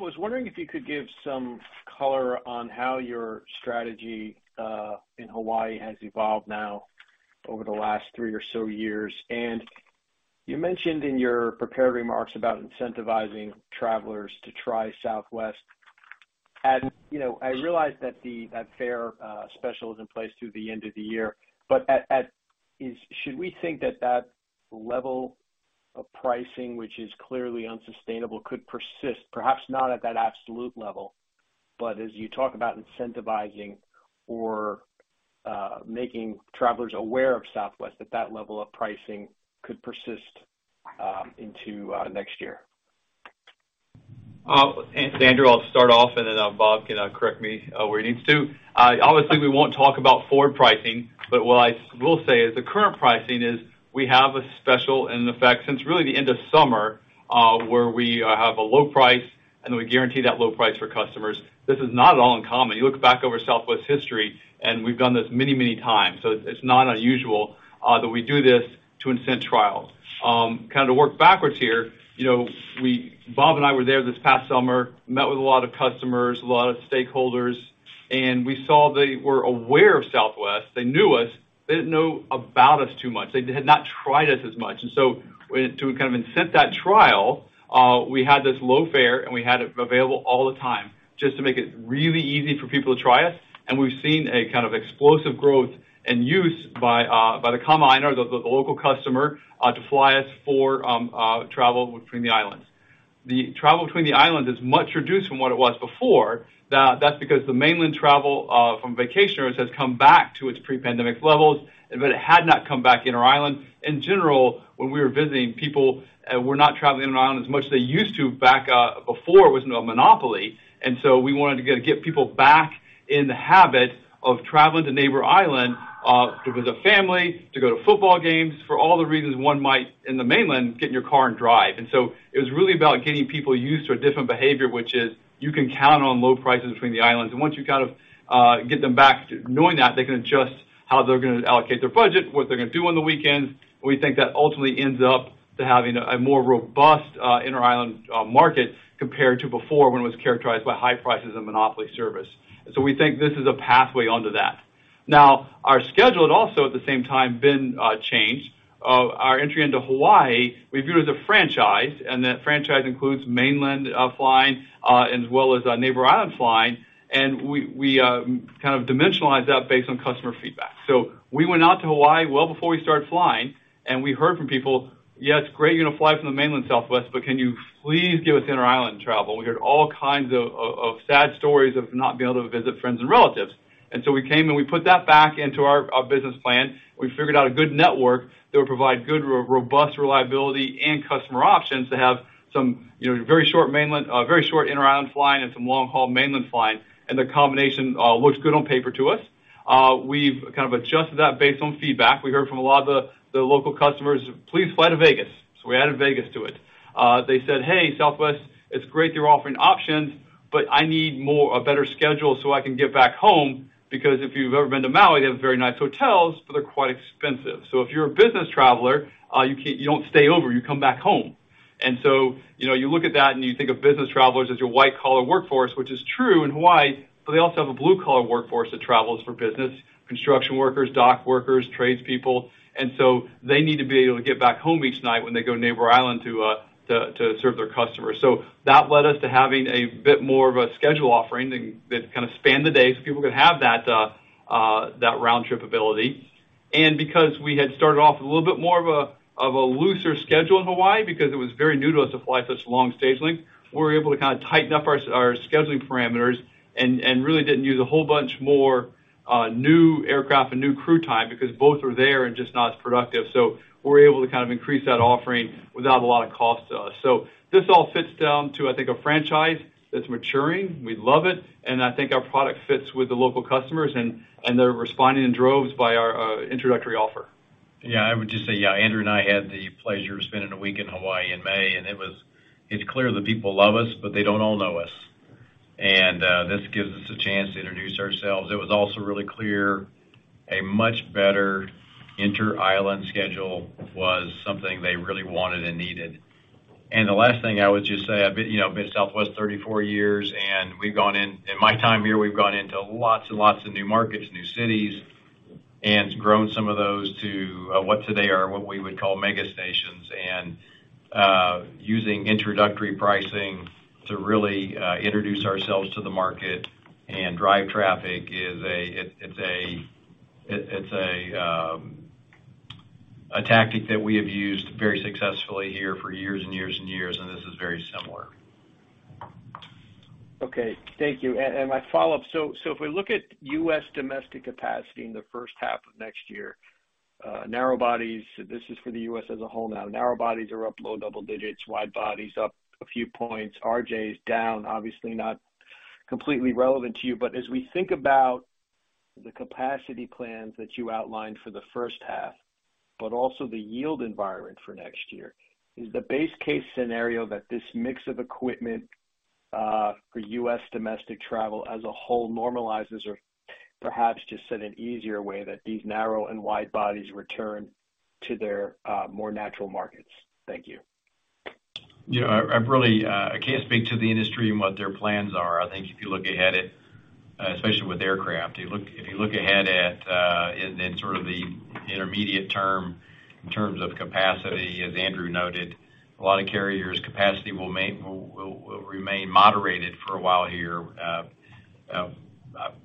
I was wondering if you could give some color on how your strategy in Hawaii has evolved now over the last three or so years. You mentioned in your prepared remarks about incentivizing travelers to try Southwest. You know, I realize that that fare special is in place through the end of the year. Should we think that that level of pricing, which is clearly unsustainable, could persist, perhaps not at that absolute level, but as you talk about incentivizing or making travelers aware of Southwest, that that level of pricing could persist into next year? Andrew I'll start off, and then Bob can correct me where he needs to. Obviously, we won't talk about forward pricing, but what I will say is the current pricing is we have a special in effect since really the end of summer, where we have a low price, and we guarantee that low price for customers. This is not at all uncommon. You look back over Southwest history, and we've done this many, many times. It's not unusual that we do this to incent trial. Kind of to work backwards here, you know, Bob and I were there this past summer, met with a lot of customers, a lot of stakeholders, and we saw they were aware of Southwest. They knew us. They didn't know about us too much. They had not tried us as much. To kind of incent that trial, we had this low fare, and we had it available all the time just to make it really easy for people to try us. We've seen a kind of explosive growth and use by the Kama'aina, the local customer, to fly us for travel between the islands. The travel between the islands is much reduced from what it was before. That's because the mainland travel from vacationers has come back to its pre-pandemic levels, but it had not come back inter-island. In general, when we were visiting, people were not traveling inter-island as much as they used to back before it was a monopoly. We wanted to get people back in the habit of traveling to neighbor island to visit family, to go to football games for all the reasons one might in the mainland get in your car and drive. It was really about getting people used to a different behavior, which is you can count on low prices between the islands. Once you kind of get them back to knowing that, they can adjust how they're gonna allocate their budget, what they're gonna do on the weekends. We think that ultimately ends up to having a more robust inter-island market compared to before when it was characterized by high prices and monopoly service. We think this is a pathway onto that. Now our schedule had also, at the same time, been changed. Our entry into Hawaii, we viewed as a franchise, and that franchise includes mainland flying, as well as our neighbor island flying. We kind of dimensionalize that based on customer feedback. We went out to Hawaii well before we started flying, and we heard from people, "Yes, great, you're gonna fly from the mainland Southwest, but can you please give us inter-island travel?" We heard all kinds of sad stories of not being able to visit friends and relatives. We came, and we put that back into our business plan. We figured out a good network that would provide good robust reliability and customer options to have some, you know, very short inter-island flying and some long-haul mainland flying, and the combination looks good on paper to us. We've kind of adjusted that based on feedback. We heard from a lot of the local customers, "Please fly to Vegas." We added Vegas to it. They said, "Hey, Southwest, it's great you're offering options, but I need more, a better schedule, so I can get back home." If you've ever been to Maui, they have very nice hotels, but they're quite expensive. If you're a business traveler, you don't stay over, you come back home. You know, you look at that, and you think of business travelers as your white-collar workforce, which is true in Hawaii, but they also have a blue-collar workforce that travels for business, construction workers, dock workers, tradespeople. They need to be able to get back home each night when they go neighbor island to serve their customers. That led us to having a bit more of a schedule offering than that kind of spanned the day, so people could have that round trip ability. Because we had started off with a little bit more of a looser schedule in Hawaii because it was very new to us to fly such long stage lengths, we were able to kind of tighten up our scheduling parameters and really didn't use a whole bunch more new aircraft and new crew time because both were there and just not as productive. We were able to kind of increase that offering without a lot of cost to us. This all fits down to, I think, a franchise that's maturing. We love it, and I think our product fits with the local customers, and they're responding in droves by our introductory offer. Yeah, I would just say, yeah, Andrew and I had the pleasure of spending a week in Hawaii in May, and it's clear the people love us, but they don't all know us. This gives us a chance to introduce ourselves. It was also really clear a much better inter-island schedule was something they really wanted and needed. The last thing I would just say, I've been, you know, at Southwest 34 years, and in my time here, we've gone into lots and lots of new markets, new cities, and grown some of those to what today are what we would call mega stations. Using introductory pricing to really introduce ourselves to the market and drive traffic is a tactic that we have used very successfully here for years and years and years, and this is very similar. Okay. Thank you. My follow-up. If we look at U.S. domestic capacity in the first half of next year, narrow bodies, this is for the U.S. as a whole now. Narrow bodies are up low double digits, wide bodies up a few points, RJs down, obviously not completely relevant to you. As we think about the capacity plans that you outlined for the first half, but also the yield environment for next year, is the base case scenario that this mix of equipment, for U.S. domestic travel as a whole normalizes or perhaps just in an easier way, that these narrow and wide bodies return to their more natural markets? Thank you. You know, I really can't speak to the industry and what their plans are. I think if you look ahead at especially with aircraft in the intermediate term in terms of capacity, as Andrew noted, a lot of carriers' capacity will remain moderated for a while here.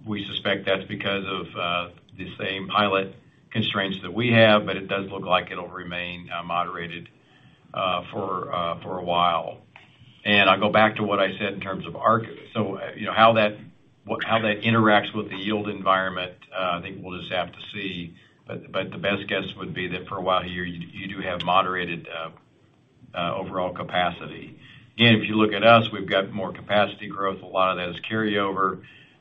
We suspect that's because of the same pilot constraints that we have, but it does look like it'll remain moderated for a while. I'll go back to what I said in terms of our. You know, how that interacts with the yield environment, I think we'll just have to see. The best guess would be that for a while here, you do have moderated overall capacity. Again, if you look at us, we've got more capacity growth. A lot of that is carryover,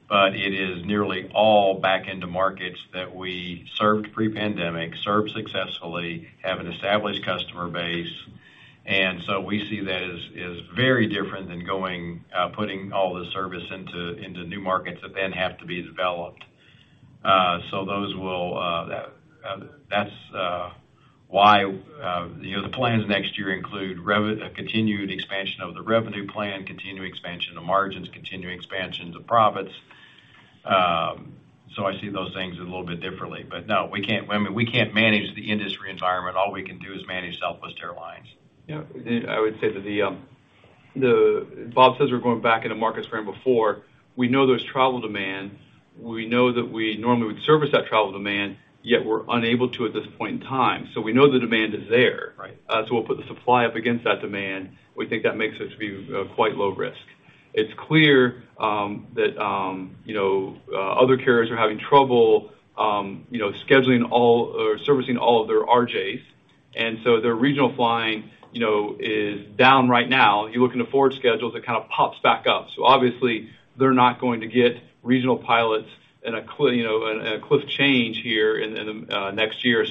but it is nearly all back into markets that we served pre-pandemic, served successfully, have an established customer base. We see that as very different than putting all the service into new markets that then have to be developed. That's why, you know, the plans next year include a continued expansion of the revenue plan, continued expansion of margins, continued expansions of profits. I see those things a little bit differently. No, we can't, I mean, we can't manage the industry environment. All we can do is manage Southwest Airlines. Yeah. I would say that Bob says we're going back into markets we were in before. We know there's travel demand. We know that we normally would service that travel demand, yet we're unable to at this point in time. We know the demand is there. Right. We'll put the supply up against that demand. We think that makes us be quite low risk. It's clear that you know other carriers are having trouble you know scheduling all or servicing all of their RJs. Their regional flying, you know, is down right now. You look in the forward schedule, it kind of pops back up. Obviously, they're not going to get regional pilots in a cliff change here in the next year.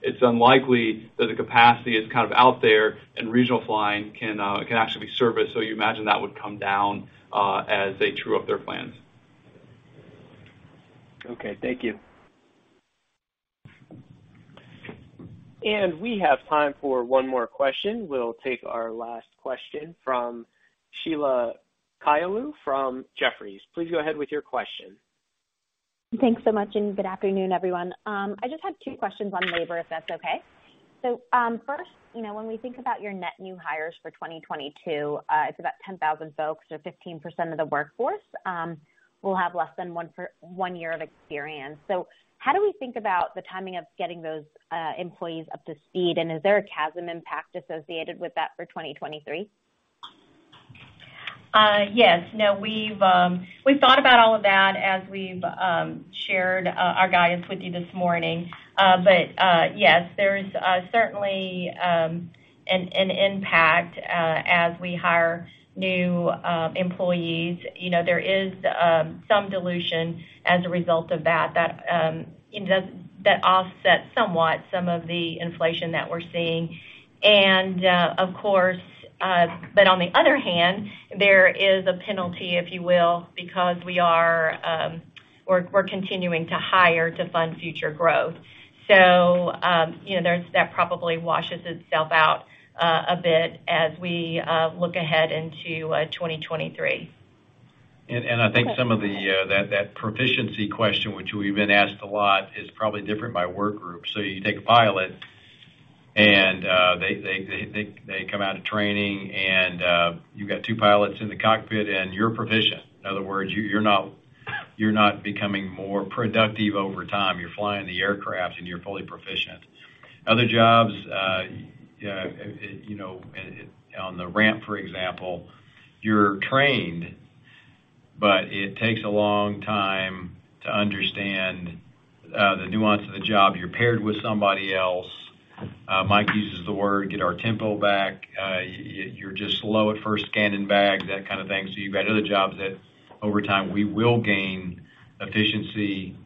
It's unlikely that the capacity is kind of out there and regional flying can actually be serviced. You imagine that would come down as they true up their plans. Okay. Thank you. We have time for one more question. We'll take our last question from Sheila Kahyaoglu from Jefferies. Please go ahead with your question. Thanks so much, and good afternoon, everyone. I just had two questions on labor, if that's okay. First, you know, when we think about your net new hires for 2022, it's about 10,000 folks or 15% of the workforce will have less than one year of experience. How do we think about the timing of getting those employees up to speed? Is there a CASM impact associated with that for 2023? Yes. No, we've thought about all of that as we've shared our guidance with you this morning. Yes, there is certainly an impact as we hire new employees. You know, there is some dilution as a result of that that offsets somewhat some of the inflation that we're seeing. Of course, but on the other hand, there is a penalty, if you will, because we're continuing to hire to fund future growth. You know, that probably washes itself out a bit as we look ahead into 2023. I think some of the proficiency question, which we've been asked a lot, is probably different by work group. You take a pilot and they come out of training and you've got two pilots in the cockpit and you're proficient. In other words, you're not becoming more productive over time. You're flying the aircraft and you're fully proficient. Other jobs, you know, on the ramp, for example, you're trained, but it takes a long time to understand the nuance of the job. You're paired with somebody else. Mike uses the word, get our tempo back. You're just slow at first scanning bags, that kind of thing. You've got other jobs that over time we will gain efficiency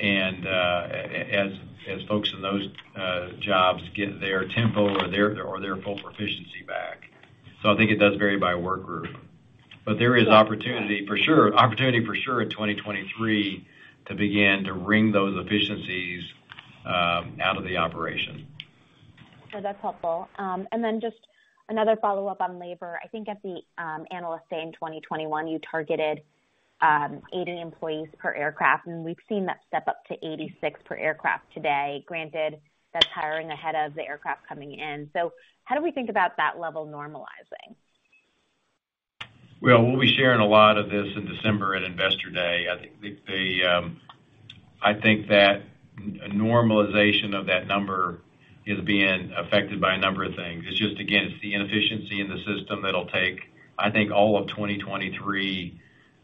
and, as folks in those jobs get their tempo or their full proficiency back. I think it does vary by work group. There is opportunity for sure in 2023 to begin to wring those efficiencies out of the operation. That's helpful. Just another follow-up on labor. I think at the Analyst Day in 2021, you targeted 80 employees per aircraft, and we've seen that step up to 86 per aircraft today, granted that's hiring ahead of the aircraft coming in. How do we think about that level normalizing? Well, we'll be sharing a lot of this in December at Investor Day. I think that normalization of that number is being affected by a number of things. It's just, again, it's the inefficiency in the system that'll take, I think, all of 2023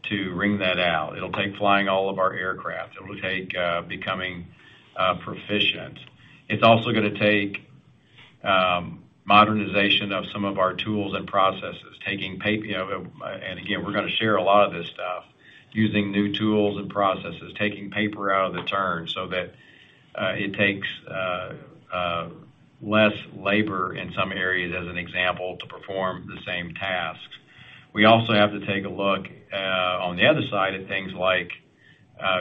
to wring that out. It'll take flying all of our aircraft. It'll take becoming proficient. It's also gonna take modernization of some of our tools and processes, you know, and again, we're gonna share a lot of this stuff, using new tools and processes, taking paper out of the turn so that it takes less labor in some areas, as an example, to perform the same tasks. We also have to take a look on the other side at things like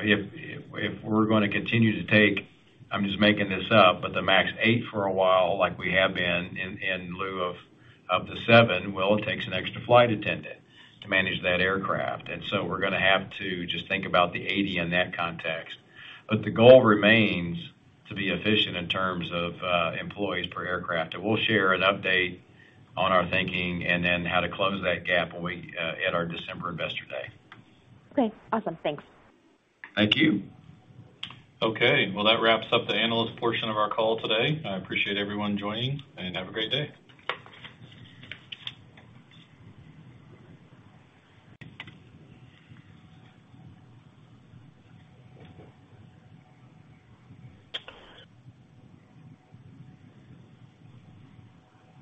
if we're gonna continue to take, I'm just making this up, but the MAX 8 for a while, like we have been in lieu of the 7, well, it takes an extra flight attendant to manage that aircraft. We're gonna have to just think about the 8 in that context. The goal remains to be efficient in terms of employees per aircraft. We'll share an update on our thinking and then how to close that gap when we at our December Investor Day. Okay, awesome. Thanks. Thank you. Okay. Well, that wraps up the analyst portion of our call today. I appreciate everyone joining, and have a great day.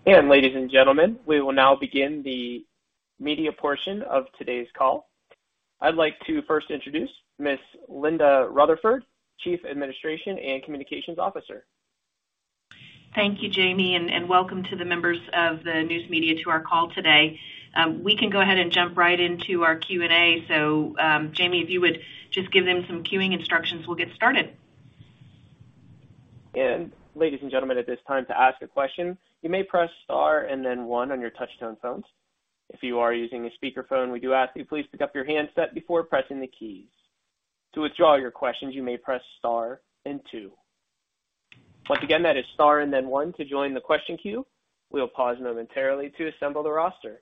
Ladies and gentlemen, we will now begin the media portion of today's call. I'd like to first introduce Ms. Linda Rutherford, Chief Administration and Communications Officer. Thank you, Jamie, and welcome to the members of the news media to our call today. We can go ahead and jump right into our Q&A. Jamie, if you would just give them some cueing instructions, we'll get started. Ladies and gentlemen, at this time, to ask a question, you may press star and then one on your touchtone phones. If you are using a speakerphone, we do ask that you please pick up your handset before pressing the keys. To withdraw your questions, you may press star and two. Once again, that is star and then one to join the question queue. We will pause momentarily to assemble the roster.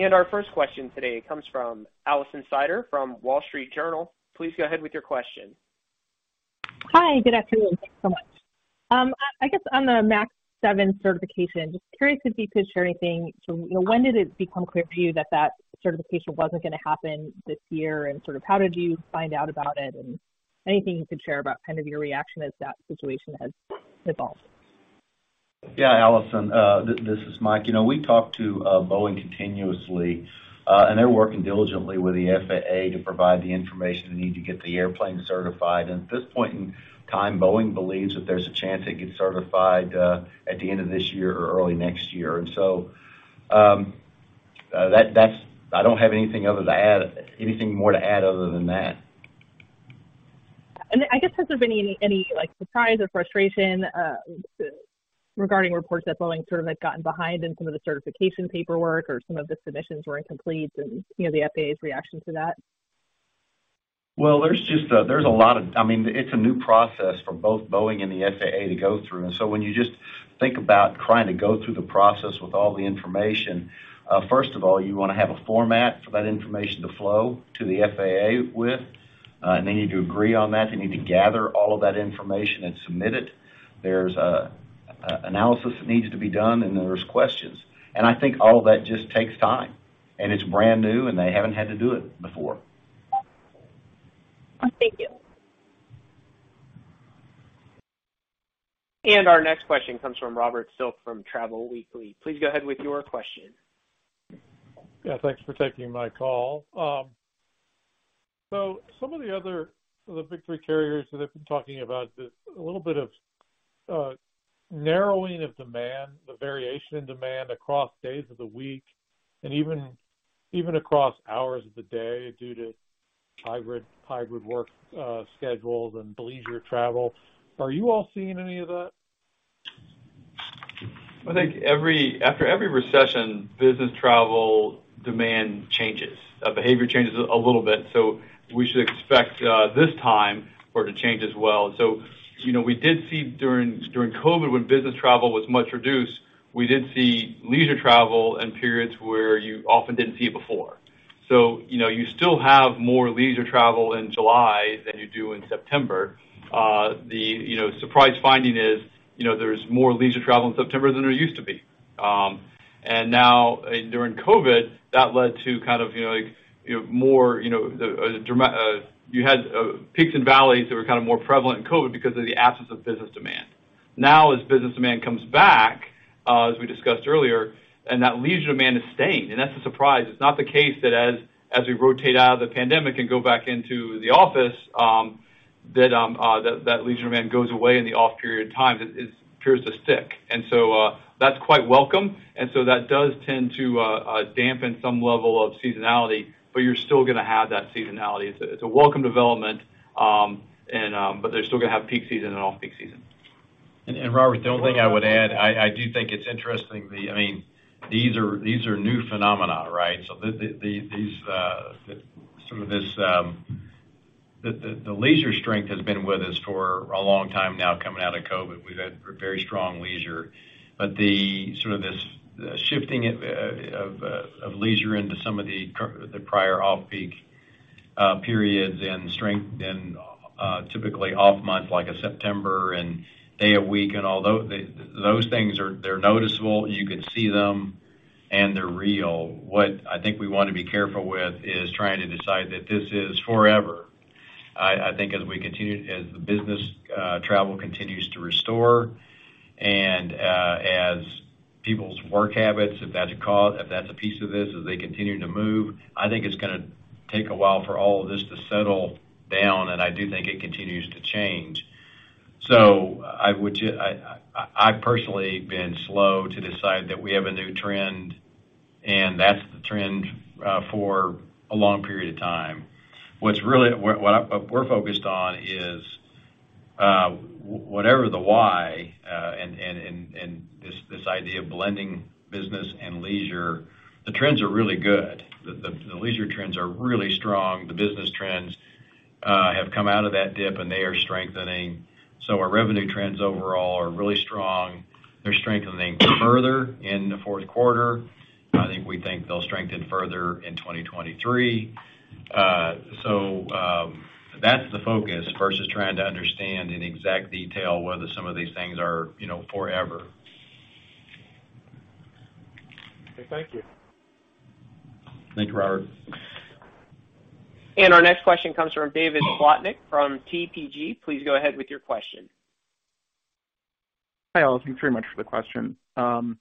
Our first question today comes from Alison Sider from The Wall Street Journal. Please go ahead with your question. Hi, good afternoon. Thanks so much. I guess on the 737 MAX 7 certification, just curious if you could share anything to, you know, when did it become clear to you that certification wasn't gonna happen this year? Sort of how did you find out about it? Anything you could share about kind of your reaction as that situation has evolved. Yeah, Alison, this is Mike. You know, we talk to Boeing continuously, and they're working diligently with the FAA to provide the information they need to get the airplane certified. At this point in time, Boeing believes that there's a chance it gets certified at the end of this year or early next year. I don't have anything other to add, anything more to add other than that. I guess has there been any like surprise or frustration regarding reports that Boeing sort of had gotten behind in some of the certification paperwork or some of the submissions were incomplete and, you know, the FAA's reaction to that? Well, there's just a lot of. I mean, it's a new process for both Boeing and the FAA to go through. When you just think about trying to go through the process with all the information, first of all, you wanna have a format for that information to flow to the FAA with. They need to agree on that. They need to gather all of that information and submit it. There's an analysis that needs to be done, and there are questions. I think all that just takes time, and it's brand new, and they haven't had to do it before. Thank you. Our next question comes from Robert Silk from Travel Weekly. Please go ahead with your question. Yeah, thanks for taking my call. Some of the big three carriers that have been talking about this, a little bit of narrowing of demand, the variation in demand across days of the week and even across hours of the day due to hybrid work schedules and leisure travel. Are you all seeing any of that? I think after every recession, business travel demand changes. Behavior changes a little bit, so we should expect this time for it to change as well. You know, we did see during COVID when business travel was much reduced, we did see leisure travel in periods where you often didn't see it before. You know, you still have more leisure travel in July than you do in September. You know, the surprise finding is, you know, there's more leisure travel in September than there used to be. Now during COVID, that led to kind of, you know, like, you know, more, you know, the drama. You had peaks and valleys that were kind of more prevalent in COVID because of the absence of business demand. Now, as business demand comes back, as we discussed earlier, and that leisure demand is staying, and that's a surprise. It's not the case that as we rotate out of the pandemic and go back into the office, that leisure demand goes away in the off-period times. It appears to stick. That's quite welcome. That does tend to dampen some level of seasonality, but you're still gonna have that seasonality. It's a welcome development, but they're still gonna have peak season and off-peak season. Robert, the only thing I would add, I do think it's interesting. I mean, these are new phenomena, right? These, some of this, the leisure strength has been with us for a long time now coming out of COVID. We've had very strong leisure. Sort of this shifting it of leisure into some of the prior off-peak periods and strength and typically off months like a September and day of week and all those things are. They're noticeable, you can see them, and they're real. What I think we wanna be careful with is trying to decide that this is forever. I think as the business travel continues to restore and as people's work habits, if that's a cause, if that's a piece of this, as they continue to move, I think it's gonna take a while for all of this to settle down, and I do think it continues to change. I've personally been slow to decide that we have a new trend, and that's the trend for a long period of time. What we're focused on is whatever the why and this idea of blending business and leisure, the trends are really good. The leisure trends are really strong. The business trends have come out of that dip, and they are strengthening. Our revenue trends overall are really strong. They're strengthening further in the fourth quarter. I think we think they'll strengthen further in 2023. That's the focus versus trying to understand in exact detail whether some of these things are, you know, forever. Okay. Thank you. Thanks, Robert. Our next question comes from David Slotnick from TPG. Please go ahead with your question. Hi, all. Thank you very much for the question. I was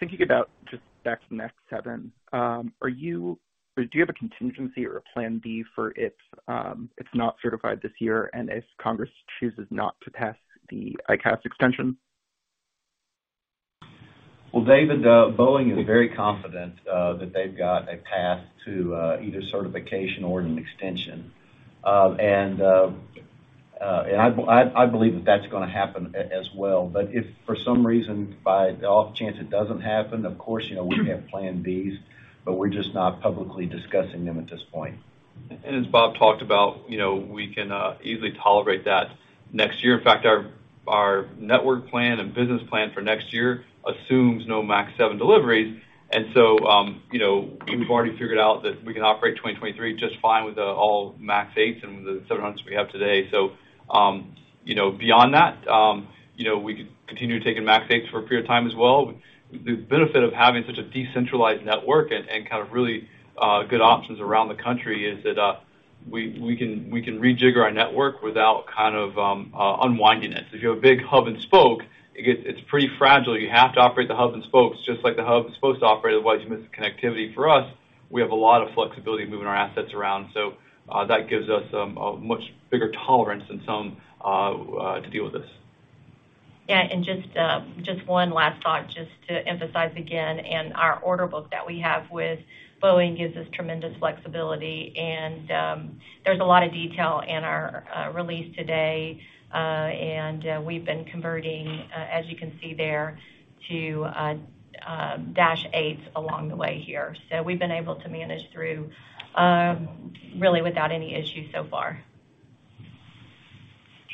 thinking about just back to the MAX 7. Or do you have a contingency or a plan B for if it's not certified this year, and if Congress chooses not to pass the EICAS extension? Well, David, Boeing is very confident that they've got a path to either certification or an extension. I believe that that's gonna happen as well. If for some reason, by the off chance it doesn't happen, of course, you know, we have plan Bs, but we're just not publicly discussing them at this point. As Bob talked about, you know, we can easily tolerate that next year. In fact, our network plan and business plan for next year assumes no MAX seven deliveries. We've already figured out that we can operate 2023 just fine with all MAX eights and the seven hundreds we have today. Beyond that, you know, we could continue taking MAX eights for a period of time as well. The benefit of having such a decentralized network and kind of really good options around the country is that we can rejigger our network without kind of unwinding it. If you have a big hub and spoke, it gets. It's pretty fragile. You have to operate the hub and spokes just like the hub is supposed to operate, otherwise you miss the connectivity. For us, we have a lot of flexibility moving our assets around, so that gives us a much bigger tolerance than some to deal with this. Just one last thought to emphasize again, and our order book that we have with Boeing gives us tremendous flexibility, and there's a lot of detail in our release today. We've been converting as you can see there to dash eights along the way here. We've been able to manage through really without any issue so far.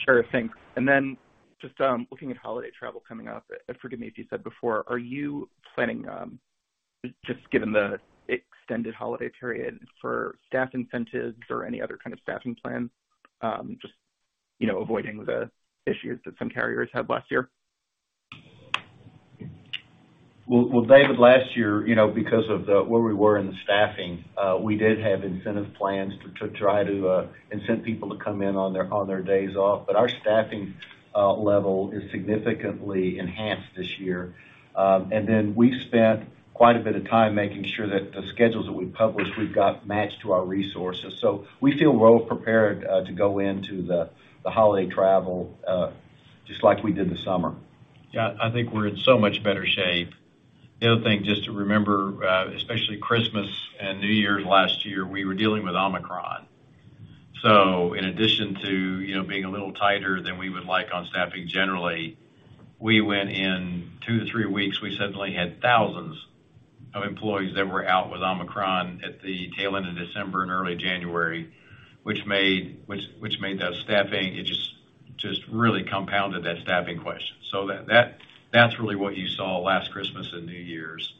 Sure. Thanks. Just looking at holiday travel coming up, forgive me if you said before, are you planning just given the extended holiday period for staff incentives or any other kind of staffing plans just you know avoiding the issues that some carriers had last year? Well, David, last year, you know, because of where we were in the staffing, we did have incentive plans to try to incent people to come in on their days off. Our staffing level is significantly enhanced this year. We spent quite a bit of time making sure that the schedules that we published we've got matched to our resources. We feel well prepared to go into the holiday travel just like we did the summer. Yeah, I think we're in so much better shape. The other thing, just to remember, especially Christmas and New Year's last year, we were dealing with Omicron. So in addition to, you know, being a little tighter than we would like on staffing, generally, we went in two to three weeks, we suddenly had thousands of employees that were out with Omicron at the tail end of December and early January, which made that staffing, it just really compounded that staffing question. So that's really what you saw last Christmas and New Year's.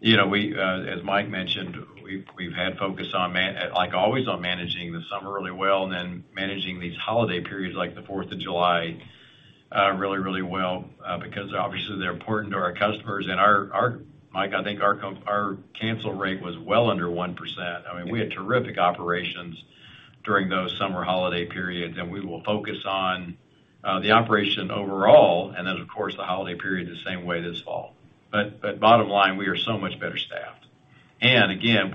You know, as Mike mentioned, we've had focus on, like always, on managing the summer really well and then managing these holiday periods like the Fourth of July really well because obviously they're important to our customers. Mike, I think our cancel rate was well under 1%. I mean, we had terrific operations during those summer holiday periods, and we will focus on the operation overall and then of course, the holiday period the same way this fall. Bottom line, we are so much better staffed. Again,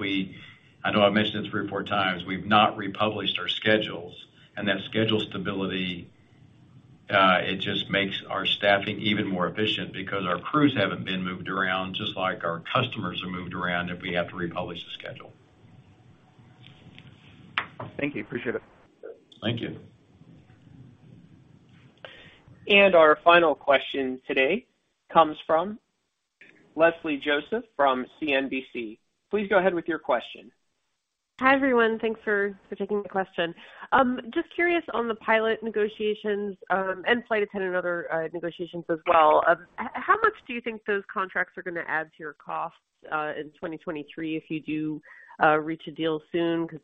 I know I've mentioned it three or four times, we've not republished our schedules. That schedule stability, it just makes our staffing even more efficient because our crews haven't been moved around just like our customers are moved around if we have to republish the schedule. Thank you. Appreciate it. Thank you. Our final question today comes from Leslie Josephs from CNBC. Please go ahead with your question. Hi, everyone. Thanks for taking the question. Just curious on the pilot negotiations and flight attendant other negotiations as well. How much do you think those contracts are gonna add to your costs in 2023 if you do reach a deal soon because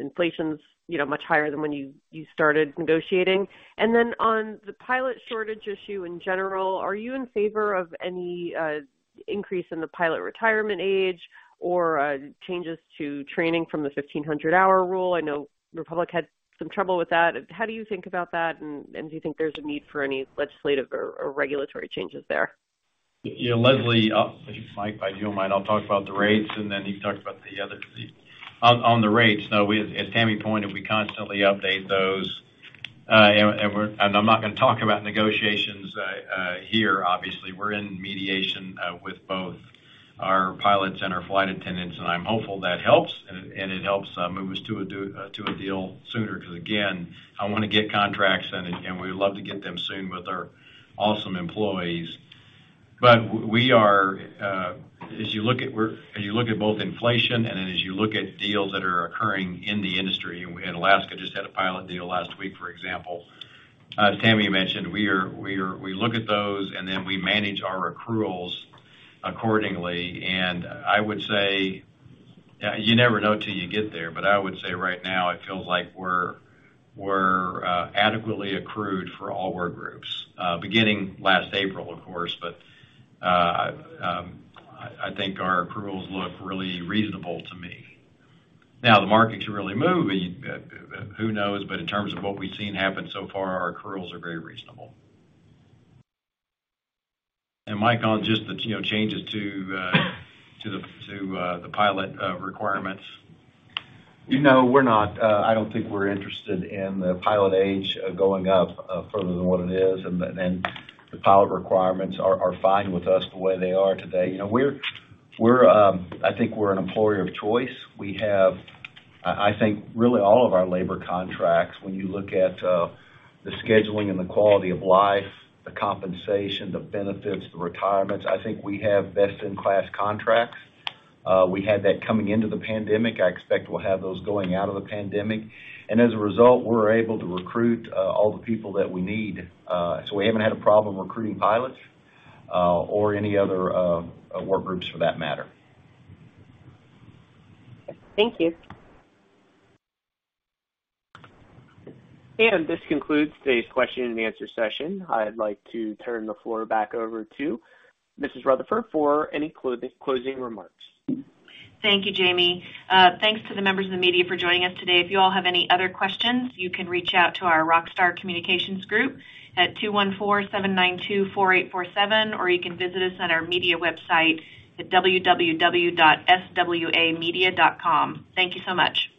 inflation's, you know, much higher than when you started negotiating? Then on the pilot shortage issue in general, are you in favor of any increase in the pilot retirement age or changes to training from the 1,500-hour rule? I know Republic had some trouble with that. How do you think about that, and do you think there's a need for any legislative or regulatory changes there? Yeah, Leslie, Mike, if you don't mind, I'll talk about the rates, and then you can talk about the other. On the rates, no, as Tammy pointed, we constantly update those. I'm not gonna talk about negotiations here. Obviously, we're in mediation with both our pilots and our flight attendants, and I'm hopeful that helps move us to a deal sooner 'cause again, I wanna get contracts, and we would love to get them soon with our awesome employees. But we are, as you look at both inflation and then as you look at deals that are occurring in the industry, and Alaska just had a pilot deal last week, for example. As Tammy mentioned, we look at those, and then we manage our accruals accordingly. I would say you never know till you get there, but I would say right now it feels like we're adequately accrued for all work groups, beginning last April, of course. I think our accruals look really reasonable to me. Now, the market's really moving. Who knows? In terms of what we've seen happen so far, our accruals are very reasonable. Mike, on just the, you know, changes to the pilot requirements. You know, we're not. I don't think we're interested in the pilot age going up further than what it is. The pilot requirements are fine with us the way they are today. You know, I think we're an employer of choice. We have. I think really all of our labor contracts, when you look at the scheduling and the quality of life, the compensation, the benefits, the retirements. I think we have best in class contracts. We had that coming into the pandemic. I expect we'll have those going out of the pandemic. As a result, we're able to recruit all the people that we need, so we haven't had a problem recruiting pilots or any other work groups for that matter. Thank you. This concludes today's question and answer session. I'd like to turn the floor back over to Mrs. Rutherford for any closing remarks. Thank you, Jamie. Thanks to the members of the media for joining us today. If you all have any other questions, you can reach out to our Rock Star Communications group at 214-792-4847, or you can visit us on our media website at www.swamedia.com. Thank you so much.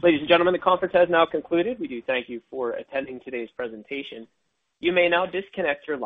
Ladies and gentlemen, the conference has now concluded. We do thank you for attending today's presentation. You may now disconnect your.